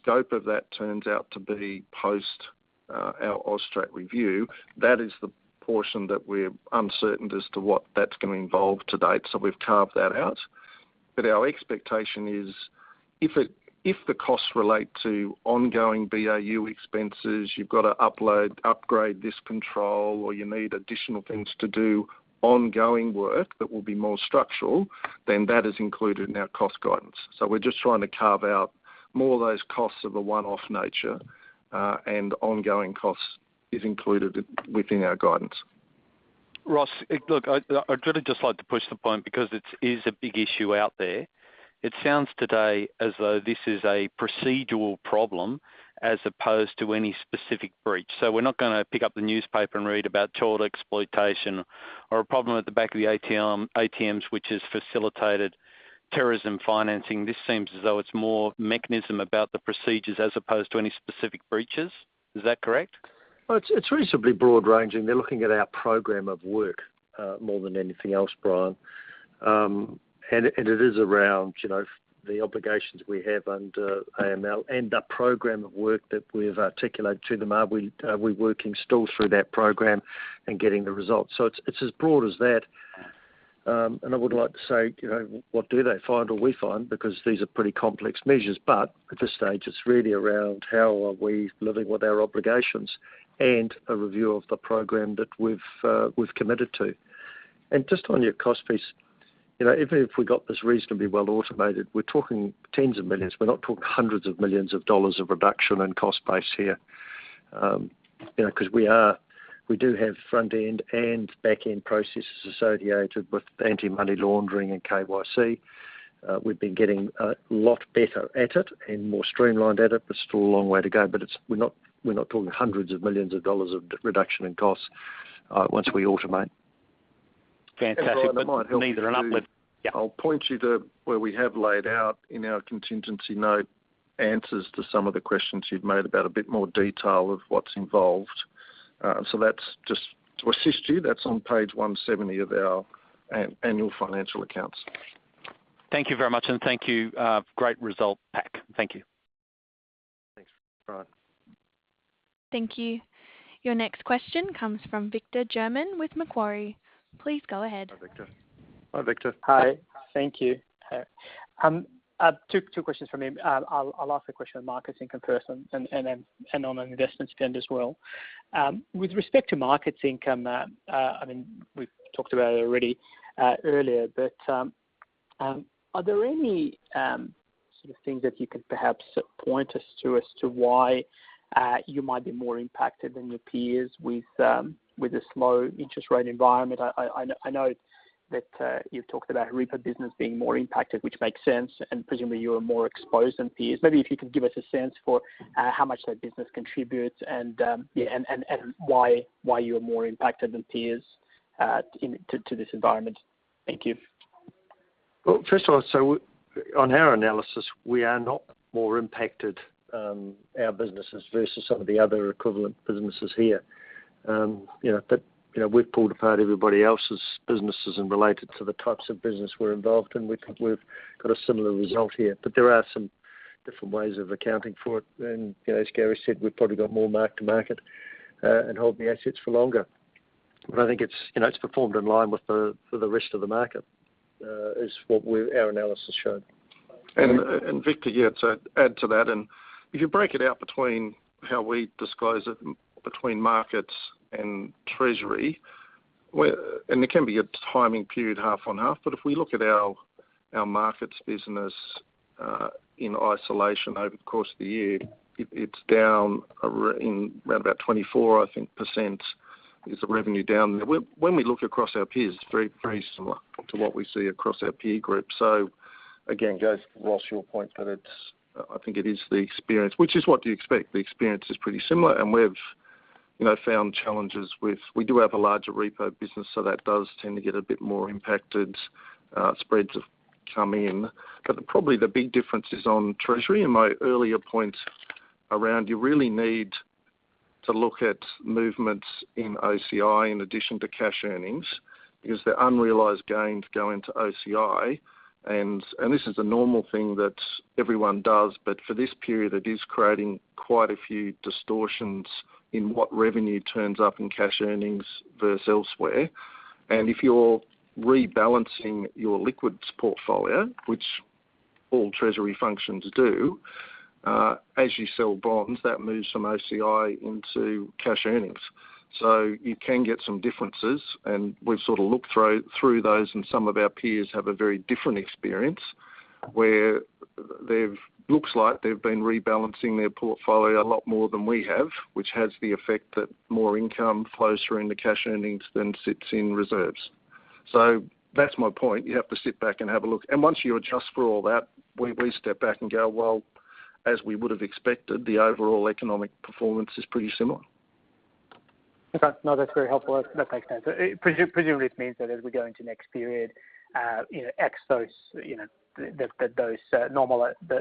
scope of that turns out to be post our AUSTRAC review, that is the portion that we're uncertain as to what that's gonna involve to date. We've carved that out. Our expectation is, if the costs relate to ongoing BAU expenses, you've got to upgrade this control, or you need additional things to do ongoing work that will be more structural, then that is included in our cost guidance. We're just trying to carve out more of those costs of a one-off nature, and ongoing costs is included within our guidance. Ross, look, I'd really just like to push the point because it is a big issue out there. It sounds today as though this is a procedural problem as opposed to any specific breach. We're not gonna pick up the newspaper and read about child exploitation or a problem at the back of the ATMs, which has facilitated terrorism financing. This seems as though it's more mechanism about the procedures as opposed to any specific breaches. Is that correct? Well, it's reasonably broad-ranging. They're looking at our program of work, more than anything else, Brian. It is around, you know, the obligations we have under AML and the program of work that we've articulated to them. Are we still working through that program and getting the results? It's as broad as that. I would like to say, you know, what do they find or we find because these are pretty complex measures. At this stage, it's really around how are we living with our obligations and a review of the program that we've committed to. Just on your cost piece, you know, even if we got this reasonably well automated, we're talking AUD tens of millions. We're not talking hundreds of millions of AUD of reduction in cost base here, you know, 'cause we do have front-end and back-end processes associated with anti-money laundering and KYC. We've been getting a lot better at it and more streamlined at it. There's still a long way to go, but we're not talking hundreds of millions of AUD of reduction in costs once we automate. Fantastic. Neither an uplift. I'll point you to where we have laid out in our contingency note answers to some of the questions you've made about a bit more detail of what's involved. That's just to assist you. That's on page 170 of our annual financial accounts. Thank you very much, and thank you. Great result back. Thank you. Thanks, Brian. Thank you. Your next question comes from Victor German with Macquarie. Please go ahead. Hi, Victor. Hi, Victor. Hi. Thank you. Two questions from me. I'll ask a question on markets income first and then on an investment spend as well. With respect to markets income, I mean, we've talked about it already earlier, but are there any sort of things that you could perhaps point us to as to why you might be more impacted than your peers with a slow interest rate environment? I know that you've talked about repo business being more impacted, which makes sense, and presumably you are more exposed than peers. Maybe if you could give us a sense for how much that business contributes and yeah and why you are more impacted than peers to this environment. Thank you. Well, first of all, on our analysis, we are not more impacted. Our businesses versus some of the other equivalent businesses here. You know, we've pulled apart everybody else's businesses and related to the types of business we're involved in. We think we've got a similar result here, but there are some different ways of accounting for it. You know, as Gary said, we've probably got more mark-to-market and holding the assets for longer. I think it's, you know, it's performed in line with the rest of the market, is what our analysis showed. Victor, yeah, to add to that, if you break it out between how we disclose it between markets and treasury, where it can be a timing period, half on half. If we look at our markets business in isolation over the course of the year, it's down in around about 24%, I think. Is the revenue down. When we look across our peers, very similar to what we see across our peer group. Again, it goes to Ross, your point that it's, I think, the experience, which is what you expect. The experience is pretty similar, and we've, you know, found challenges with it. We do have a larger repo business, so that does tend to get a bit more impacted. Spreads have come in. Probably the big difference is on treasury. In my earlier point around, you really need to look at movements in OCI in addition to cash earnings, because the unrealized gains go into OCI. This is a normal thing that everyone does. For this period, it is creating quite a few distortions in what revenue turns up in cash earnings versus elsewhere. If you're rebalancing your liquids portfolio, which all treasury functions do, as you sell bonds, that moves some OCI into cash earnings. You can get some differences. We've sort of looked through those, and some of our peers have a very different experience, where looks like they've been rebalancing their portfolio a lot more than we have, which has the effect that more income flows through into cash earnings than sits in reserves. That's my point. You have to sit back and have a look. Once you adjust for all that, we step back and go, well, as we would have expected, the overall economic performance is pretty similar. Okay. No, that's very helpful. That makes sense. It presumably means that as we go into next period, you know,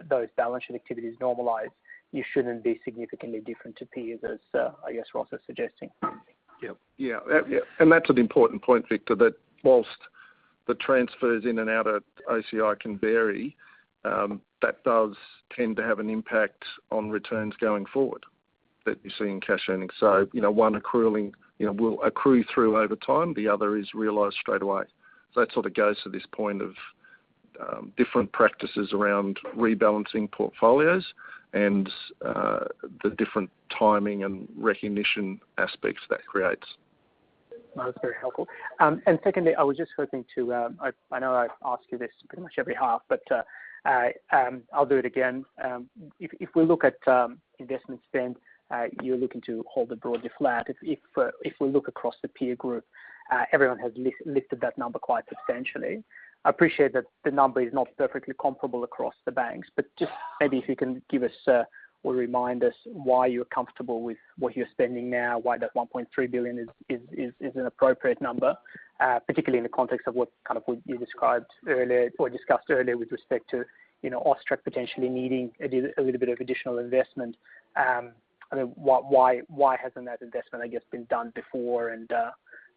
those balance sheet activities normalize, you shouldn't be significantly different to peers as I guess Ross is suggesting. That's an important point, Victor, that while the transfers in and out of OCI can vary, that does tend to have an impact on returns going forward that you see in cash earnings. You know, one accruing will accrue through over time, the other is realized straight away. That sort of goes to this point of different practices around rebalancing portfolios and the different timing and recognition aspects that creates. That's very helpful. Secondly, I was just hoping to, I know I ask you this pretty much every half, but I'll do it again. If we look at investment spend, you're looking to hold it broadly flat. If we look across the peer group, everyone has lifted that number quite substantially. I appreciate that the number is not perfectly comparable across the banks, but just maybe if you can give us, or remind us why you're comfortable with what you're spending now, why that 1.3 billion is an appropriate number, particularly in the context of what you described earlier or discussed earlier with respect to, you know, AUSTRAC potentially needing a little bit of additional investment. I mean, why hasn't that investment, I guess, been done before?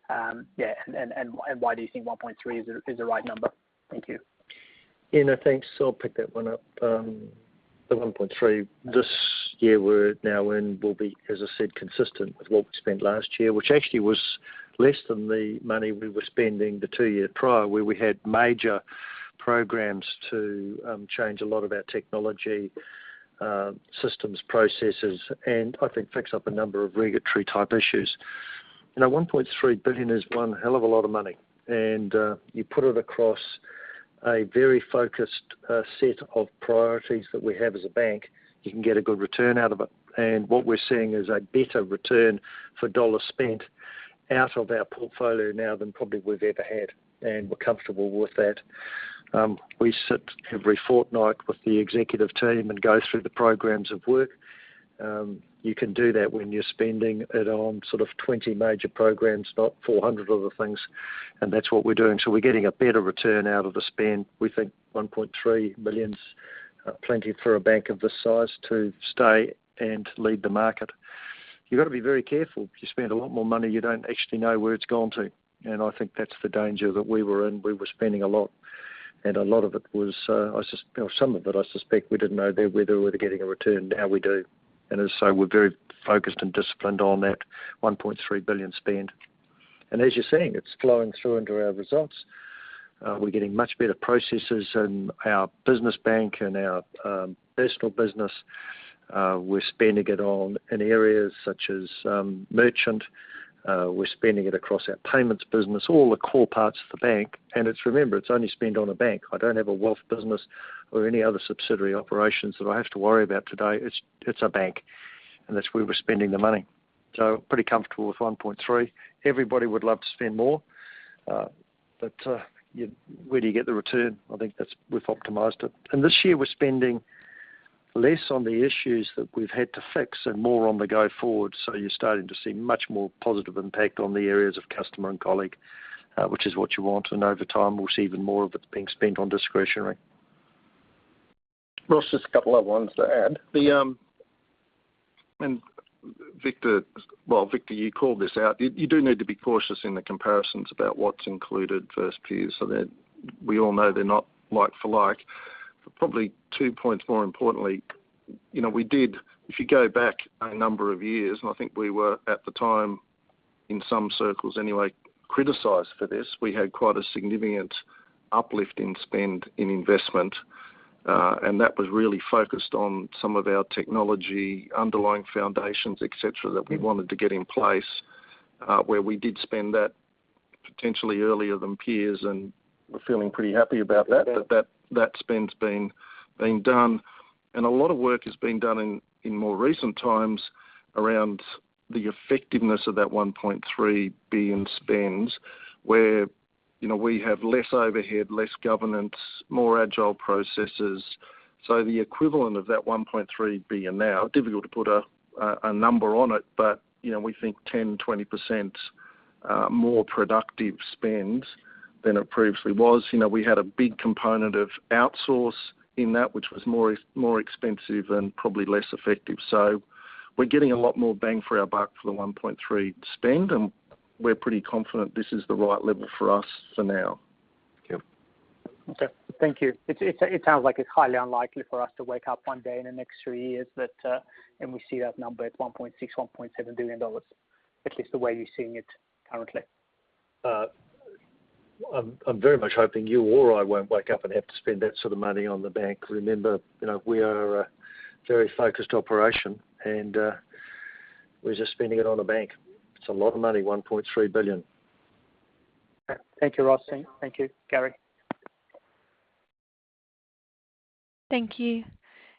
Why do you think 1.3 is the right number? Thank you. Yeah, no, thanks. I'll pick that one up. The 1.3. This year we're now in will be, as I said, consistent with what we spent last year, which actually was less than the money we were spending the two years prior, where we had major programs to change a lot of our technology systems, processes, and I think fix up a number of regulatory type issues. You know, 1.3 billion is one hell of a lot of money, and you put it across a very focused set of priorities that we have as a bank, you can get a good return out of it. What we're seeing is a better return for dollar spent out of our portfolio now than probably we've ever had. We're comfortable with that. We sit every fortnight with the executive team and go through the programs of work. You can do that when you're spending it on sort of 20 major programs, not 400 other things, and that's what we're doing. We're getting a better return out of the spend. We think 1.3 million's plenty for a bank of this size to stay and lead the market. You got to be very careful. If you spend a lot more money, you don't actually know where it's gone to. I think that's the danger that we were in. We were spending a lot, and a lot of it was, you know, some of it, I suspect we didn't know there whether we were getting a return to how we do. So, we're very focused and disciplined on that 1.3 billion spend. As you're seeing, it's flowing through into our results. We're getting much better processes in our business bank and our personal business. We're spending it on, in areas such as merchant. We're spending it across our payments business, all the core parts of the bank. It's, remember, it's only spend on a bank. I don't have a wealth business or any other subsidiary operations that I have to worry about today. It's a bank, and that's where we're spending the money. Pretty comfortable with 1.3 billion. Everybody would love to spend more, but where do you get the return? I think we've optimized it. This year we're spending less on the issues that we've had to fix and more on the go forward. You're starting to see much more positive impact on the areas of customer and colleague, which is what you want. Over time, we'll see even more of it being spent on discretionary. Ross, just a couple of ones to add. Well, Victor, you called this out. You do need to be cautious in the comparisons about what's included versus peers, so that we all know they're not like for like. Probably two points more importantly, you know, we did, if you go back a number of years, and I think we were at the time, in some circles anyway, criticized for this, we had quite a significant uplift in spend in investment, and that was really focused on some of our technology underlying foundations, et cetera, that we wanted to get in place, where we did spend that. Potentially earlier than peers, and we're feeling pretty happy about that spend's been done. A lot of work is being done in more recent times around the effectiveness of that 1.3 billion spend, where, you know, we have less overhead, less governance, more agile processes. The equivalent of that 1.3 billion now, difficult to put a number on it, but, you know, we think 10%-20% more productive spend than it previously was. You know, we had a big component of outsource in that, which was more expensive and probably less effective. We're getting a lot more bang for our buck for the 1.3 billion spend, and we're pretty confident this is the right level for us for now. Kim. Okay. Thank you. It sounds like it's highly unlikely for us to wake up one day in the next three years and we see that number at 1.6 billion-1.7 billion dollars, at least the way you're seeing it currently. I'm very much hoping you or I won't wake up and have to spend that sort of money on the bank. Remember, you know, we are a very focused operation, and we're just spending it on a bank. It's a lot of money, 1.3 billion. Thank you, Ross. Thank you, Gary. Thank you.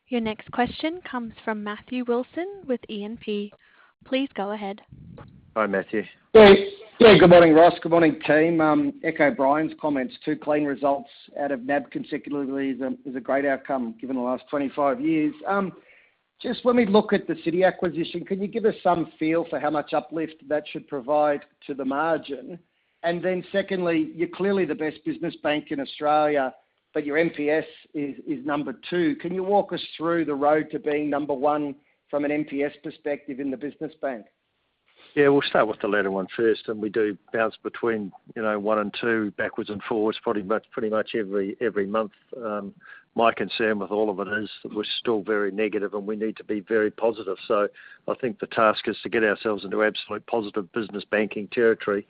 Your next question comes from Matt Wilson with E&P. Please go ahead. Hi, Matthew. Good morning, Ross. Good morning, team. Echo Brian's comments. Two clean results out of NAB consecutively is a great outcome, given the last 25 years. Just when we look at the Citi acquisition, can you give us some feel for how much uplift that should provide to the margin? Secondly, you're clearly the best business bank in Australia, but your NPS is number 2. Can you walk us through the road to being number 1 from an NPS perspective in the business bank? Yeah, we'll start with the latter one first, and we do bounce between, you know, one and two, backwards and forwards, pretty much every month. My concern with all of it is we're still very negative, and we need to be very positive. I think the task is to get ourselves into absolute positive business banking territory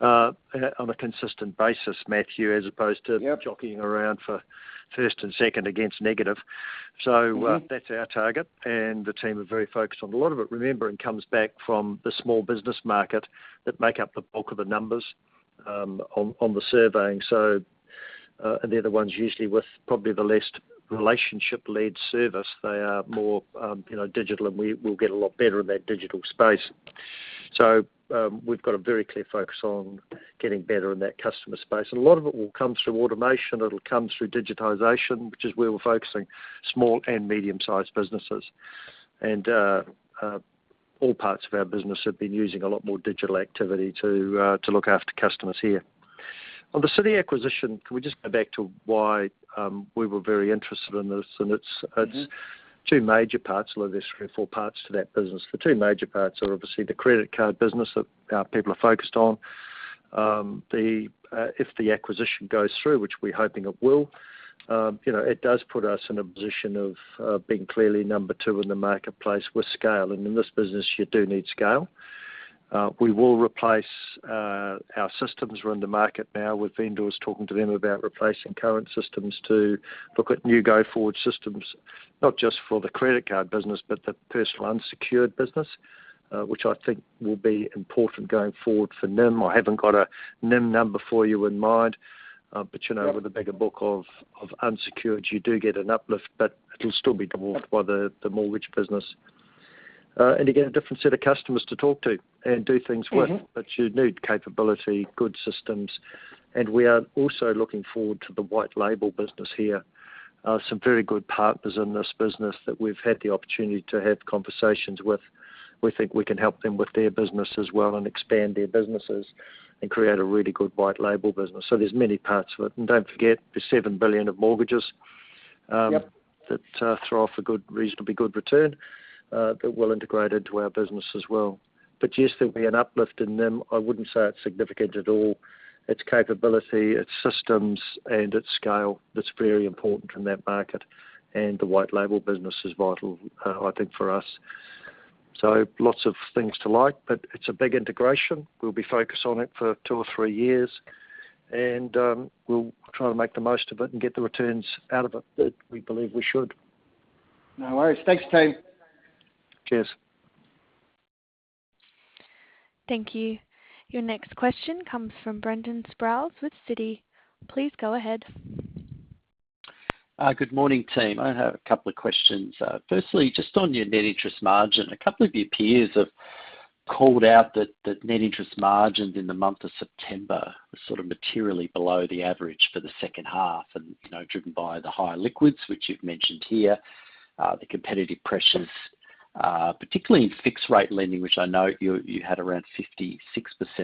on a consistent basis, Matthew, as opposed to- Yeah. Jockeying around for first and second against negative. Mm-hmm. That's our target, and the team are very focused on. A lot of it, remember, it comes back from the small business market that make up the bulk of the numbers on the survey. They're the ones usually with probably the least relationship-led service. They are more, you know, digital, and we will get a lot better in that digital space. We've got a very clear focus on getting better in that customer space. A lot of it will come through automation. It'll come through digitization, which is where we're focusing small and medium-sized businesses. All parts of our business have been using a lot more digital activity to look after customers here. On the Citi acquisition, can we just go back to why we were very interested in this? Mm-hmm. It's two major parts, although there's three or four parts to that business. The two major parts are obviously the credit card business that our people are focused on. If the acquisition goes through, which we're hoping it will, you know, it does put us in a position of being clearly number two in the marketplace with scale. In this business, you do need scale. We will replace our systems. We're in the market now with vendors, talking to them about replacing current systems to look at new go-forward systems, not just for the credit card business, but the personal unsecured business, which I think will be important going forward for NIM. I haven't got a NIM number for you in mind, but you know- Yeah. With a bigger book of unsecured, you do get an uplift, but it'll still be dwarfed by the mortgage business. You get a different set of customers to talk to and do things with. Mm-hmm. You need capability, good systems. We are also looking forward to the white label business here. Some very good partners in this business that we've had the opportunity to have conversations with. We think we can help them with their business as well and expand their businesses and create a really good white label business. There's many parts to it. Don't forget, there's 7 billion of mortgages Yep. That'll throw off a good, reasonably good return that will integrate into our business as well. Yes, there'll be an uplift in NIM. I wouldn't say it's significant at all. It's capability, it's systems, and it's scale that's very important in that market. The white label business is vital, I think, for us. Lots of things to like, but it's a big integration. We'll be focused on it for two or three years. We'll try to make the most of it and get the returns out of it that we believe we should. No worries. Thanks, team. Cheers. Thank you. Your next question comes from Brendan Sproules with Citi. Please go ahead. Good morning, team. I have a couple of questions. Firstly, just on your net interest margin, a couple of your peers have called out that net interest margin in the month of September was sort of materially below the average for the second half and, you know, driven by the higher liquids, which you've mentioned here, the competitive pressures, particularly in fixed rate lending, which I know you had around 56%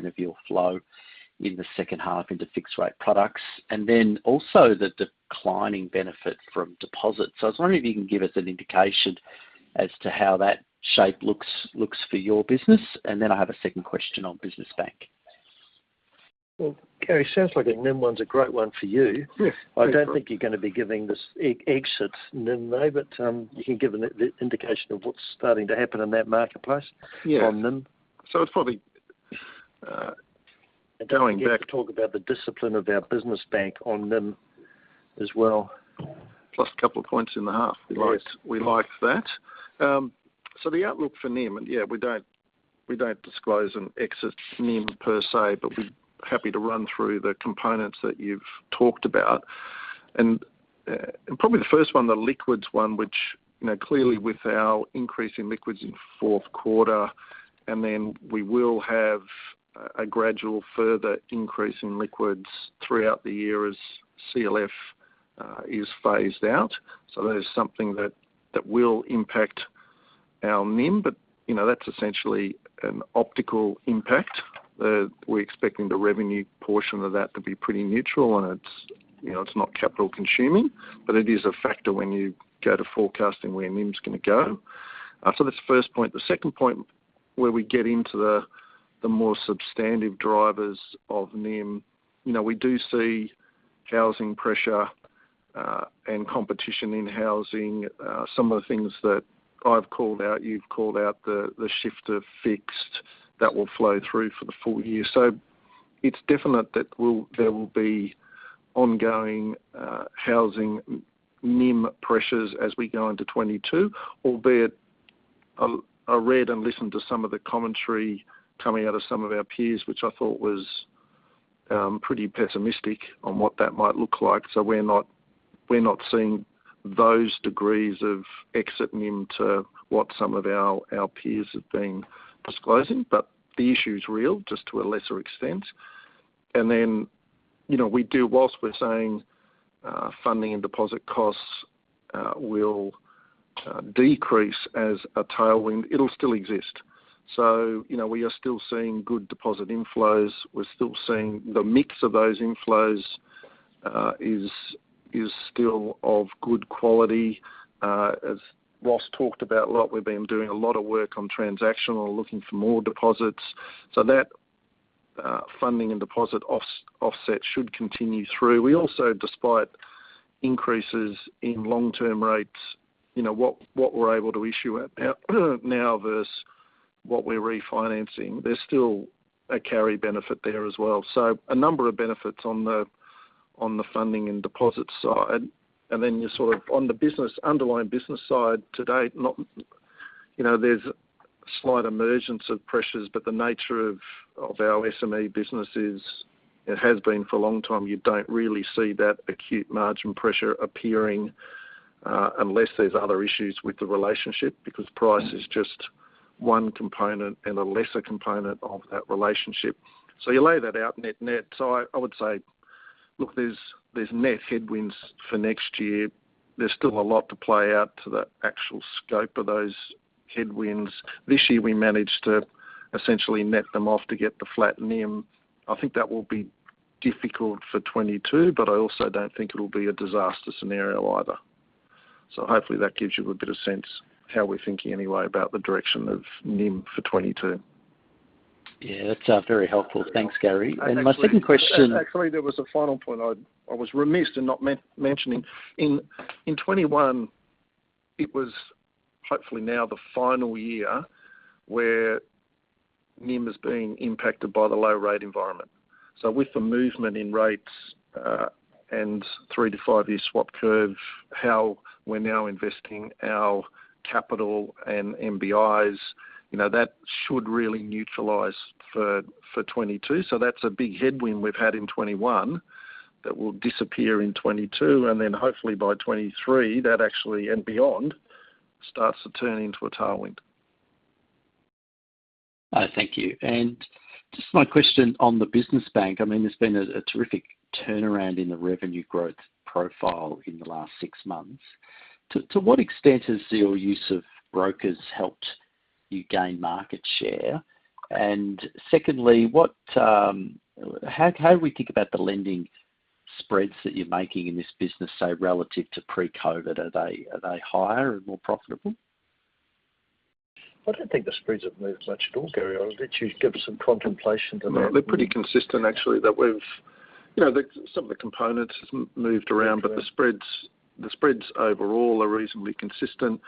of your flow in the second half into fixed rate products, and then also the declining benefit from deposits. I was wondering if you can give us an indication as to how that shape looks for your business. I have a second question on business bank. Well, Gary, sounds like the NIM one's a great one for you. Yes. I don't think you're gonna be giving this excess NIM, though, but you can give an indication of what's starting to happen in that marketplace. Yeah. on NIM. It's probably going back Don't forget to talk about the discipline of our business bank on NIM. As well. Plus a couple of points in the half. We like that. The outlook for NIM, yeah, we don't disclose an exit NIM per se, but we're happy to run through the components that you've talked about. Probably the first one, the liquids one, which, you know, clearly with our increase in liquids in fourth quarter, and then we will have a gradual further increase in liquids throughout the year as CLF is phased out. That is something that will impact our NIM. You know, that's essentially an optical impact that we're expecting the revenue portion of that to be pretty neutral. It's, you know, it's not capital consuming, but it is a factor when you go to forecasting where NIM is gonna go. After this first point, the second point where we get into the more substantive drivers of NIM, you know, we do see housing pressure and competition in housing. Some of the things that I've called out, you've called out the shift of fixed that will flow through for the full year. So it's definite that there will be ongoing housing NIM pressures as we go into 2022. Albeit, I read and listened to some of the commentary coming out of some of our peers, which I thought was pretty pessimistic on what that might look like. So we're not seeing those degrees of exit NIM to what some of our peers have been disclosing, but the issue is real, just to a lesser extent. Then, you know, while we're saying funding and deposit costs will decrease as a tailwind, it'll still exist. You know, we are still seeing good deposit inflows. We're still seeing the mix of those inflows is still of good quality. As Ross talked about a lot, we've been doing a lot of work on transactional, looking for more deposits. That funding and deposit offset should continue through. We also, despite increases in long-term rates, you know, what we're able to issue at now versus what we're refinancing, there's still a carry benefit there as well. A number of benefits on the funding and deposit side. Then you're sort of on the business, underlying business side to date. Not, you know, there's slight emergence of pressures, but the nature of our SME business is, it has been for a long time, you don't really see that acute margin pressure appearing unless there's other issues with the relationship, because price is just one component and a lesser component of that relationship. You lay that out net-net. I would say, look, there's net headwinds for next year. There's still a lot to play out to the actual scope of those headwinds. This year, we managed to essentially net them off to get the flat NIM. I think that will be difficult for 2022, but I also don't think it'll be a disaster scenario either. Hopefully that gives you a bit of sense how we're thinking anyway about the direction of NIM for 2022. Yeah, that's very helpful. Thanks, Gary. Actually, there was a final point I was remiss in not mentioning. In 2021, it was hopefully now the final year where NIM is being impacted by the low rate environment. With the movement in rates and 3-5-year swap curve, how we're now investing our capital and NBIs, you know, that should really neutralize for 2022. That's a big headwind we've had in 2021 that will disappear in 2022, and then hopefully by 2023, that actually and beyond starts to turn into a tailwind. Thank you. Just my question on the business bank. I mean, there's been a terrific turnaround in the revenue growth profile in the last six months. To what extent has your use of brokers helped you gain market share? Secondly, how do we think about the lending spreads that you're making in this business, say relative to pre-COVID? Are they higher and more profitable? I don't think the spreads have moved much at all, Gary. I'll let you give some contemplation to that. No, they're pretty consistent actually, that we've some of the components moved around, but the spreads overall are reasonably consistent.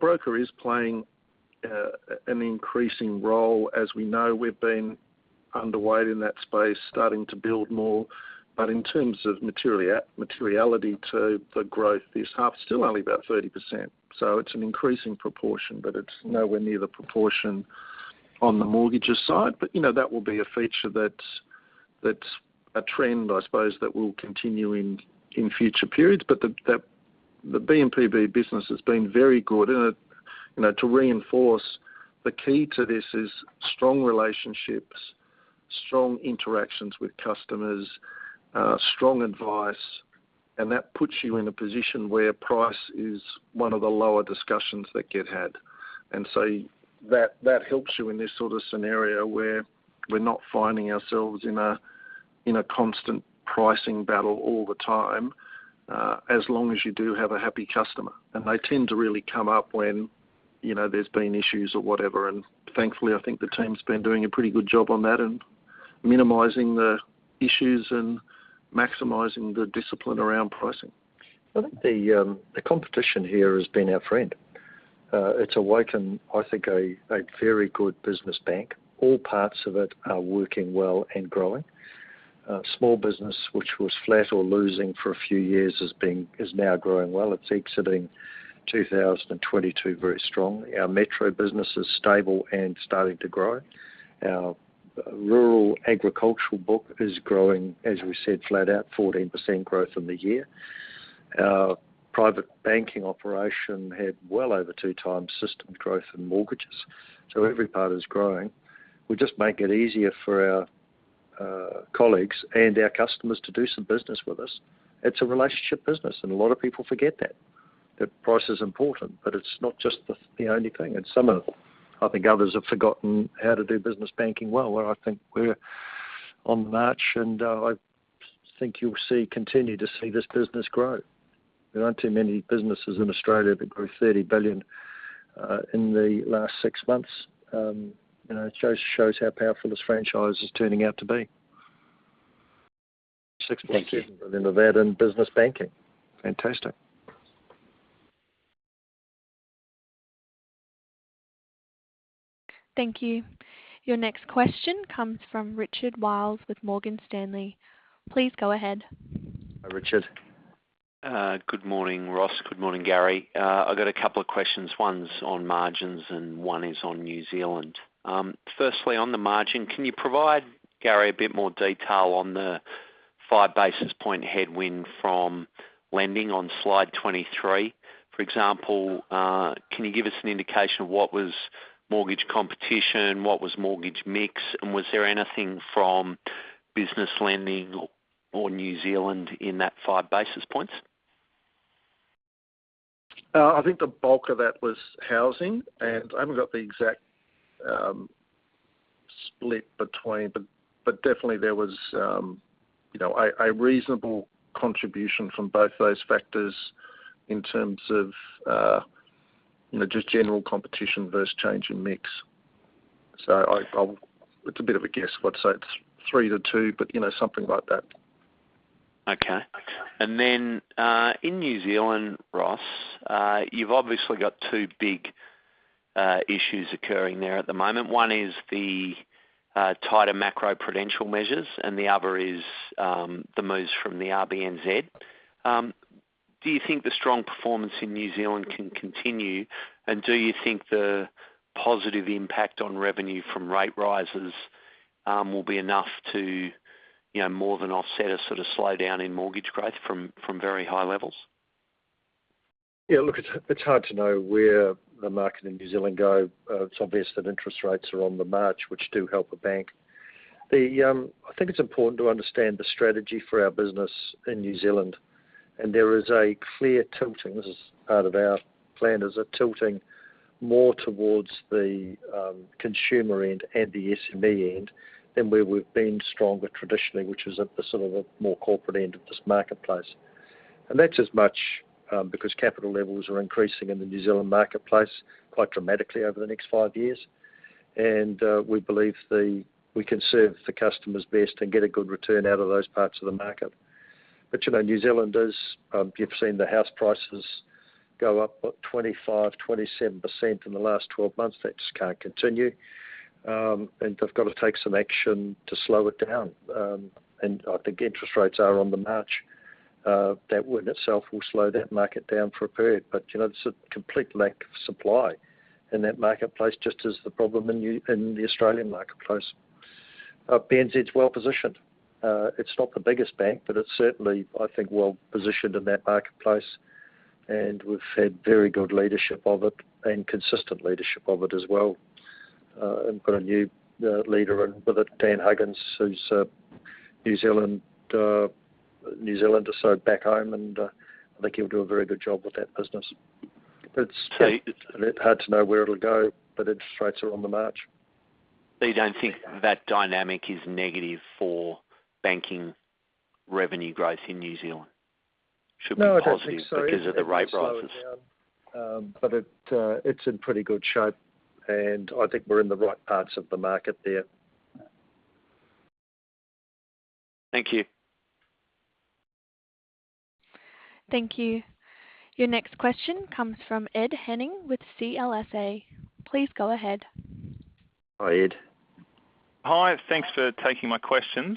Broker is playing an increasing role. As we know, we've been underweight in that space, starting to build more. In terms of materiality to the growth this half, still only about 30%. It's an increasing proportion, but it's nowhere near the proportion on the mortgages side. You know, that will be a feature that's a trend, I suppose, that will continue in future periods. The BNPL business has been very good. You know, to reinforce, the key to this is strong relationships, strong interactions with customers, strong advice, and that puts you in a position where price is one of the lower discussions that get had. That helps you in this sort of scenario where we're not finding ourselves in a constant pricing battle all the time, as long as you do have a happy customer. They tend to really come up when, you know, there's been issues or whatever. Thankfully, I think the team's been doing a pretty good job on that and minimizing the issues and maximizing the discipline around pricing. I think the competition here has been our friend. It's awakened, I think, a very good business bank. All parts of it are working well and growing. Small business, which was flat or losing for a few years, is now growing well. It's exiting 2022 very strongly. Our metro business is stable and starting to grow. Our rural agricultural book is growing, as we said, flat out 14% growth in the year. Our private banking operation had well over 2 times system growth in mortgages. Every part is growing. We just make it easier for our colleagues and our customers to do some business with us. It's a relationship business, and a lot of people forget that. Price is important, but it's not just the only thing. Some of... I think others have forgotten how to do business banking well. Where I think we're on the march, and I think you'll see, continue to see this business grow. There aren't too many businesses in Australia that grew 30 billion in the last six months. You know, it shows how powerful this franchise is turning out to be. Thank you. 6 billion of that in business banking. Fantastic. Thank you. Your next question comes from Richard Wiles with Morgan Stanley. Please go ahead. Richard. Good morning, Ross. Good morning, Gary. I've got a couple of questions. One's on margins and one is on New Zealand. Firstly, on the margin, can you provide, Gary, a bit more detail on the five basis point headwind from lending on slide 23? For example, can you give us an indication of what was mortgage competition, what was mortgage mix, and was there anything from business lending or New Zealand in that five basis points? I think the bulk of that was housing, and I haven't got the exact split between. But definitely there was, you know, a reasonable contribution from both those factors in terms of, you know, just general competition versus change in mix. It's a bit of a guess, let's say it's 3 to 2, but, you know, something like that. Okay. Then, in New Zealand, Ross, you've obviously got two big issues occurring there at the moment. One is the tighter macroprudential measures, and the other is the moves from the RBNZ. Do you think the strong performance in New Zealand can continue? Do you think the positive impact on revenue from rate rises will be enough to, you know, more than offset a sort of slowdown in mortgage growth from very high levels? Yeah, look, it's hard to know where the market in New Zealand go. It's obvious that interest rates are on the march, which do help a bank. I think it's important to understand the strategy for our business in New Zealand, and there is a clear tilting. This is part of our plan, is a tilting more towards the consumer end and the SME end than where we've been stronger traditionally, which is at the sort of a more corporate end of this marketplace. That's as much because capital levels are increasing in the New Zealand marketplace quite dramatically over the next five years. We believe we can serve the customers best and get a good return out of those parts of the market. You know, New Zealand is. You've seen the house prices go up, what, 25%-27% in the last 12 months. That just can't continue. They've got to take some action to slow it down. I think interest rates are on the march. That in itself will slow that market down for a period. You know, there's a complete lack of supply in that marketplace, just as the problem in the Australian marketplace. BNZ is well positioned. It's not the biggest bank, but it's certainly, I think, well positioned in that marketplace. We've had very good leadership of it and consistent leadership of it as well. Got a new leader in with it, Dan Huggins, who's a New Zealander, so back home, and I think he'll do a very good job with that business. It's hard to know where it'll go, but interest rates are on the march. You don't think that dynamic is negative for banking revenue growth in New Zealand? No, I don't think so. Should be positive because of the rate rises. It's in pretty good shape, and I think we're in the right parts of the market there. Thank you. Thank you. Your next question comes from Ed Henning with CLSA. Please go ahead. Hi, Ed. Hi. Thanks for taking my questions.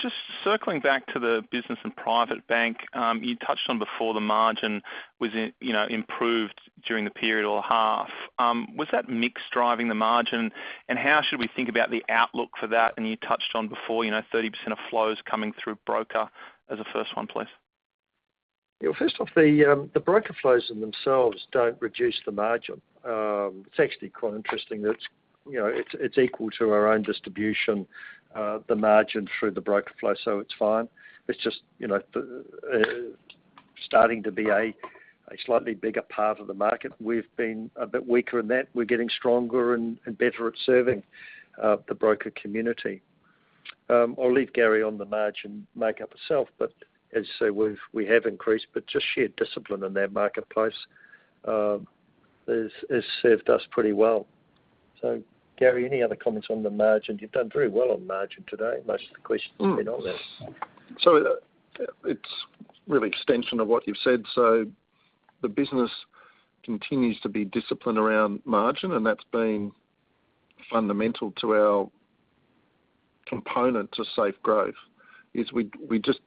Just circling back to the business and private bank, you touched on before the margin was in, you know, improved during the period or half. Was that mix driving the margin? How should we think about the outlook for that? You touched on before, you know, 30% of flows coming through broker as a first one, please. Yeah, first off, the broker flows in themselves don't reduce the margin. It's actually quite interesting that, you know, it's equal to our own distribution, the margin through the broker flow, so it's fine. It's just, you know, starting to be a slightly bigger part of the market. We've been a bit weaker in that. We're getting stronger and better at serving the broker community. I'll leave Gary on the margin makeup itself, but as I say, we've increased, but just sheer discipline in that marketplace has served us pretty well. So Gary, any other comments on the margin? You've done very well on margin today. Most of the questions have been on that. It's really an extension of what you've said. The business continues to be disciplined around margin, and that's been fundamental to our commitment to safe growth, is we just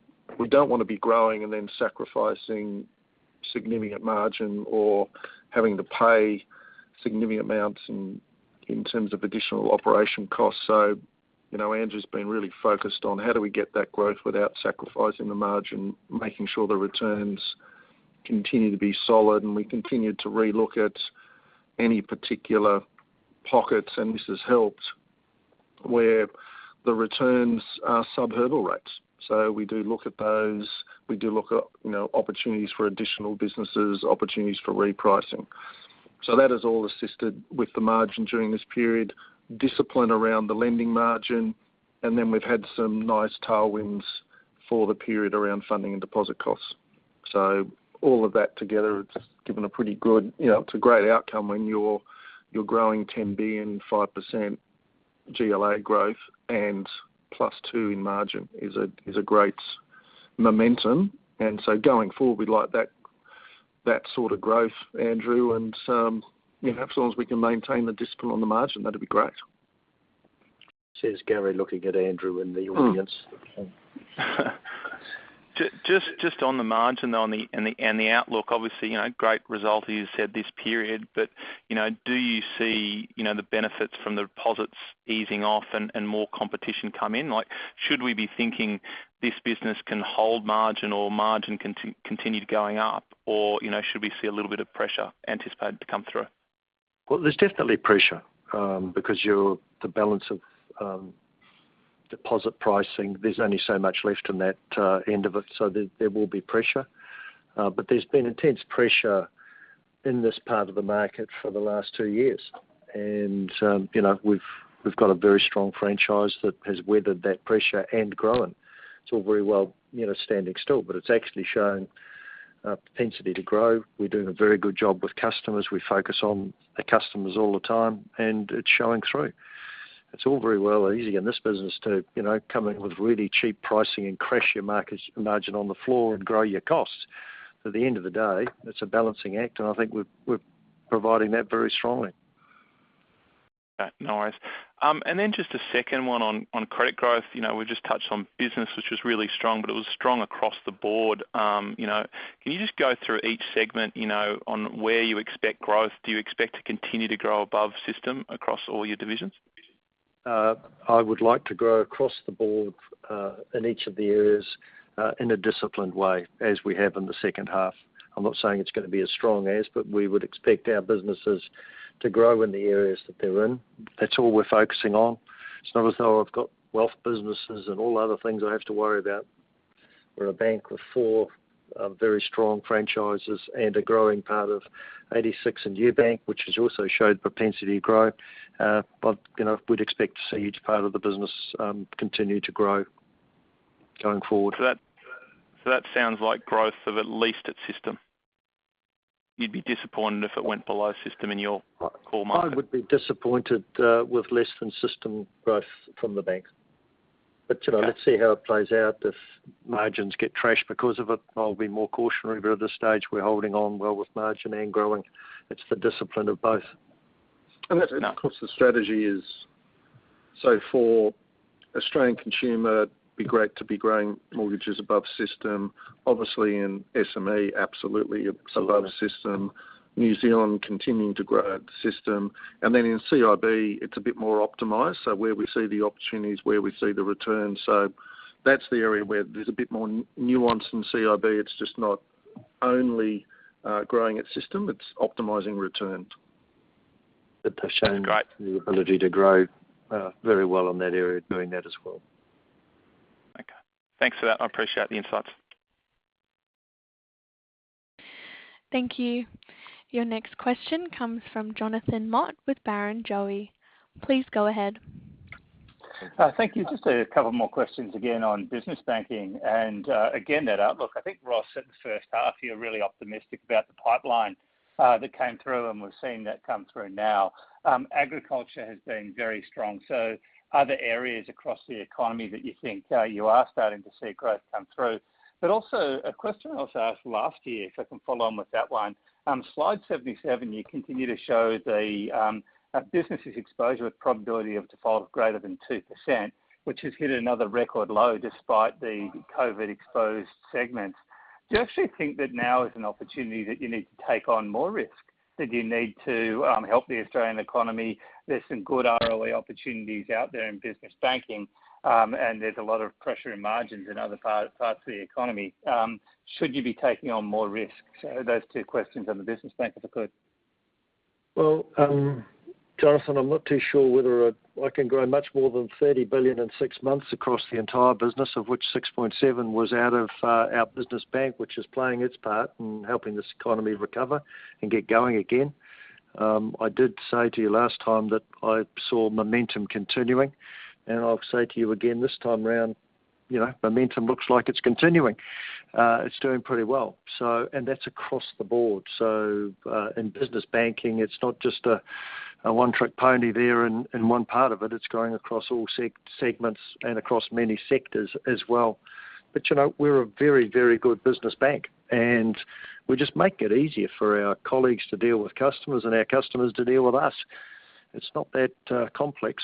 don't wanna be growing and then sacrificing significant margin or having to pay significant amounts in terms of additional operational costs. You know, Andrew's been really focused on how do we get that growth without sacrificing the margin, making sure the returns continue to be solid, and we continue to re-look at any particular pockets, and this has helped where the returns are sub-hurdle rates. We do look at those. We do look at, you know, opportunities for additional businesses, opportunities for repricing. That has all assisted with the margin during this period, discipline around the lending margin. Then we've had some nice tailwinds for the period around funding and deposit costs. All of that together, it's given a pretty good, you know, it's a great outcome when you're growing 10 billion, 5% GLA growth and +2 in margin is a great momentum. Going forward, we'd like that sort of growth, Andrew. You know, as long as we can maintain the discipline on the margin, that'd be great. Says Gary, looking at Andrew in the audience. Just on the margin and the outlook, obviously, you know, great result, you said this period, but, you know, do you see, you know, the benefits from the deposits easing off and more competition come in? Like, should we be thinking this business can hold margin or margin continue going up? Or, you know, should we see a little bit of pressure anticipated to come through? Well, there's definitely pressure, because the balance of deposit pricing, there's only so much left in that end of it. So there will be pressure. But there's been intense pressure in this part of the market for the last two years. You know, we've got a very strong franchise that has weathered that pressure and grown. It's all very well, you know, standing still, but it's actually shown a propensity to grow. We're doing a very good job with customers. We focus on the customers all the time, and it's showing through. It's all very well easy in this business to, you know, come in with really cheap pricing and crash your market's margin on the floor and grow your costs. At the end of the day, it's a balancing act, and I think we're providing that very strongly. Okay. No worries. Just a second one on credit growth. You know, we've just touched on business, which was really strong, but it was strong across the board. You know, can you just go through each segment, you know, on where you expect growth? Do you expect to continue to grow above system across all your divisions? I would like to grow across the board, in each of the areas, in a disciplined way as we have in the second half. I'm not saying it's gonna be as strong as, but we would expect our businesses to grow in the areas that they're in. That's all we're focusing on. It's not as though I've got wealth businesses and all other things I have to worry about. We're a bank with four very strong franchises and a growing part of 86 400 and UBank, which has also showed propensity to grow. You know, we'd expect to see each part of the business, continue to grow going forward. That sounds like growth of at least at system. You'd be disappointed if it went below system in your core market. I would be disappointed with less than system growth from the bank. You know- Okay. Let's see how it plays out. If margins get trashed because of it, I'll be more cautionary. At this stage, we're holding on well with margin and growing. It's the discipline of both. That's, of course, the strategy. For Australian consumer, it'd be great to be growing mortgages above system. Obviously in SME, absolutely above system. New Zealand continuing to grow at system. Then in CIB, it's a bit more optimized, so where we see the opportunities, where we see the returns. That's the area where there's a bit more nuance in CIB. It's just not only growing at system, it's optimizing return. They've shown. Great. the ability to grow very well in that area doing that as well. Okay. Thanks for that. I appreciate the insights. Thank you. Your next question comes from Jonathan Mott with Barrenjoey. Please go ahead. Thank you. Just a couple more questions again on business banking and, again, that outlook. I think Ross said in the first half, you're really optimistic about the pipeline, that came through, and we're seeing that come through now. Agriculture has been very strong. So are there areas across the economy that you think you are starting to see growth come through? But also a question I also asked last year, if I can follow on with that one. On slide 77, you continue to show the business exposure with probability of default greater than 2%, which has hit another record low despite the COVID-exposed segments. Do you actually think that now is an opportunity that you need to take on more risk, that you need to help the Australian economy? There's some good ROE opportunities out there in business banking, and there's a lot of pressure in margins in other parts of the economy. Should you be taking on more risk? Those two questions on the business bank, if I could. Well, Jonathan, I'm not too sure whether I can grow much more than 30 billion in six months across the entire business, of which 6.7 was out of our business bank, which is playing its part in helping this economy recover and get going again. I did say to you last time that I saw momentum continuing, and I'll say to you again this time around. You know, momentum looks like it's continuing. It's doing pretty well. That's across the board. In business banking, it's not just a one-trick pony there in one part of it. It's going across all segments and across many sectors as well. You know, we're a very, very good business bank, and we're just making it easier for our colleagues to deal with customers and our customers to deal with us. It's not that complex,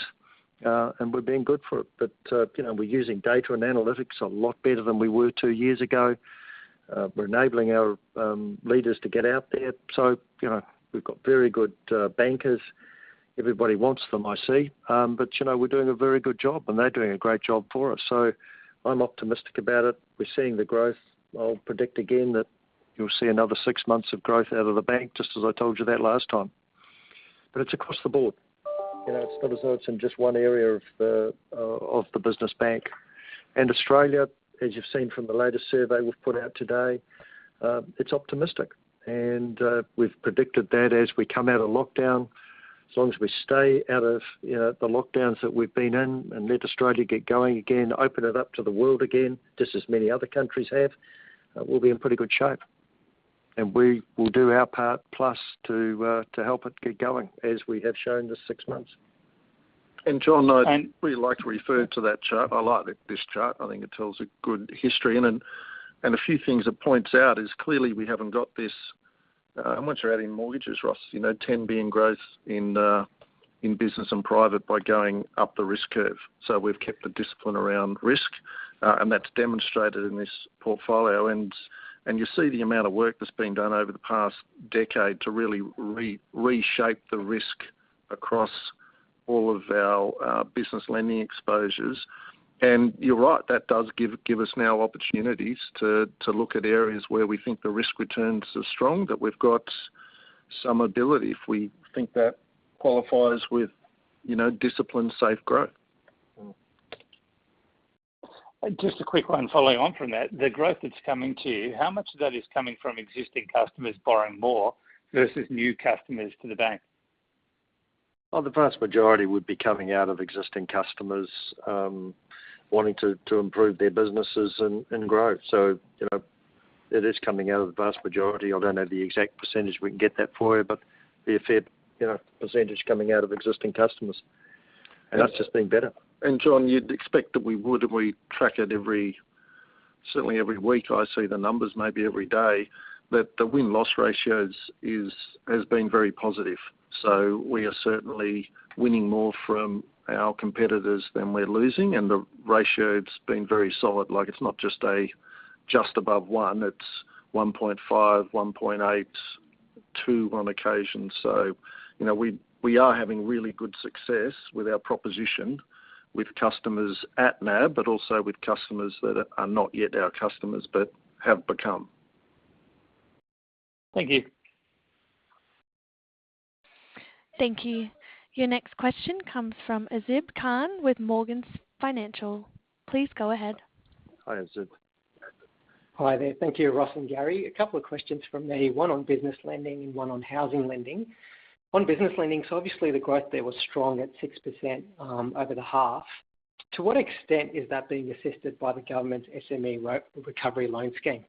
and we're being good for it. You know, we're using data and analytics a lot better than we were two years ago. We're enabling our leaders to get out there. You know, we've got very good bankers. Everybody wants them, I see. You know, we're doing a very good job, and they're doing a great job for us. I'm optimistic about it. We're seeing the growth. I'll predict again that you'll see another six months of growth out of the bank, just as I told you that last time. It's across the board. You know, it's not as though it's in just one area of the business bank. Australia, as you've seen from the latest survey we've put out today, it's optimistic. We've predicted that as we come out of lockdown, as long as we stay out of, you know, the lockdowns that we've been in and let Australia get going again, open it up to the world again, just as many other countries have, we'll be in pretty good shape. We will do our part plus to help it get going, as we have shown this six months. John, I'd really like to refer to that chart. I like it, this chart. I think it tells a good history. A few things it points out is clearly we haven't got this, how much are out in mortgages, Ross? You know, 10 billion growth in business and private by going up the risk curve. We've kept the discipline around risk, and that's demonstrated in this portfolio. You see the amount of work that's been done over the past decade to really reshape the risk across all of our business lending exposures. You're right, that does give us now opportunities to look at areas where we think the risk returns are strong, that we've got some ability if we think that qualifies with, you know, disciplined, safe growth. Mm-hmm. Just a quick one following on from that. The growth that's coming to you, how much of that is coming from existing customers borrowing more versus new customers to the bank? Well, the vast majority would be coming out of existing customers wanting to improve their businesses and grow. You know, it is coming out of the vast majority. I don't know the exact percentage. We can get that for you. But it'd be a fair, you know, percentage coming out of existing customers. That's just been better. John, you'd expect that we would, and we track it every certainly every week I see the numbers, maybe every day, that the win-loss ratios is, has been very positive. We are certainly winning more from our competitors than we're losing, and the ratio, it's been very solid. Like, it's not just a, just above one, it's 1.5, 1.8, 2 on occasion. You know, we are having really good success with our proposition with customers at NAB, but also with customers that are not yet our customers, but have become. Thank you. Thank you. Your next question comes from Azib Khan with Morgans Financial. Please go ahead. Hi, Azib. Hi there. Thank you, Ross and Gary. A couple of questions from me, one on business lending and one on housing lending. On business lending, obviously the growth there was strong at 6%, over the half. To what extent is that being assisted by the government's SME Recovery Loan Scheme?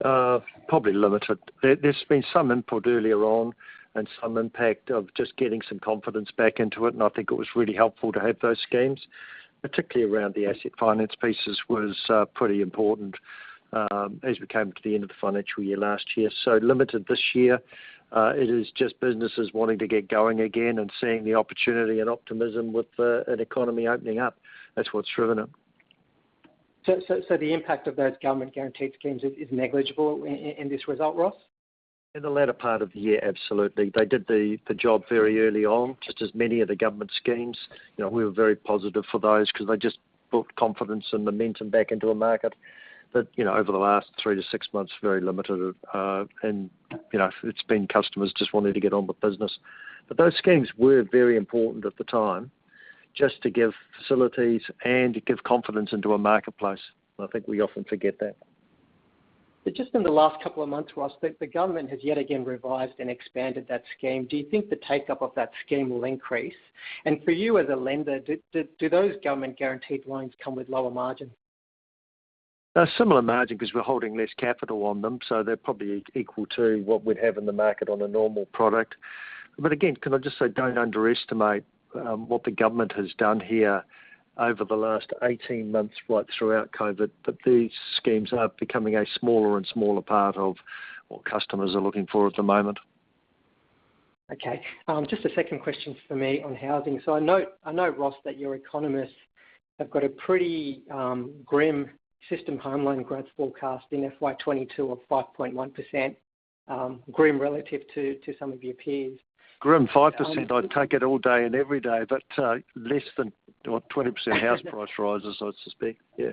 Probably limited. There's been some input earlier on and some impact of just getting some confidence back into it, and I think it was really helpful to have those schemes, particularly around the asset finance pieces was pretty important, as we came to the end of the financial year last year. Limited this year, it is just businesses wanting to get going again and seeing the opportunity and optimism with an economy opening up. That's what's driven it. The impact of those government guaranteed schemes is negligible in this result, Ross? In the latter part of the year, absolutely. They did the job very early on, just as many of the government schemes. You know, we were very positive for those because they just built confidence and momentum back into a market that, you know, over the last 3-6 months, very limited. You know, it's been customers just wanting to get on with business. Those schemes were very important at the time just to give facilities and to give confidence into a marketplace. I think we often forget that. Just in the last couple of months, Ross, the government has yet again revised and expanded that scheme. Do you think the take-up of that scheme will increase? For you as a lender, do those government guaranteed loans come with lower margin? A similar margin because we're holding less capital on them, so they're probably equal to what we'd have in the market on a normal product. Again, can I just say, don't underestimate what the government has done here over the last 18 months right throughout COVID. These schemes are becoming a smaller and smaller part of what customers are looking for at the moment. Okay. Just a second question for me on housing. I know, Ross, that your economists have got a pretty grim systemic home loan growth forecast in FY 2022 of 5.1%, grim relative to some of your peers. 5%, I'd take it all day and every day, but less than, what? 20% house price rises, I'd suspect. Yeah.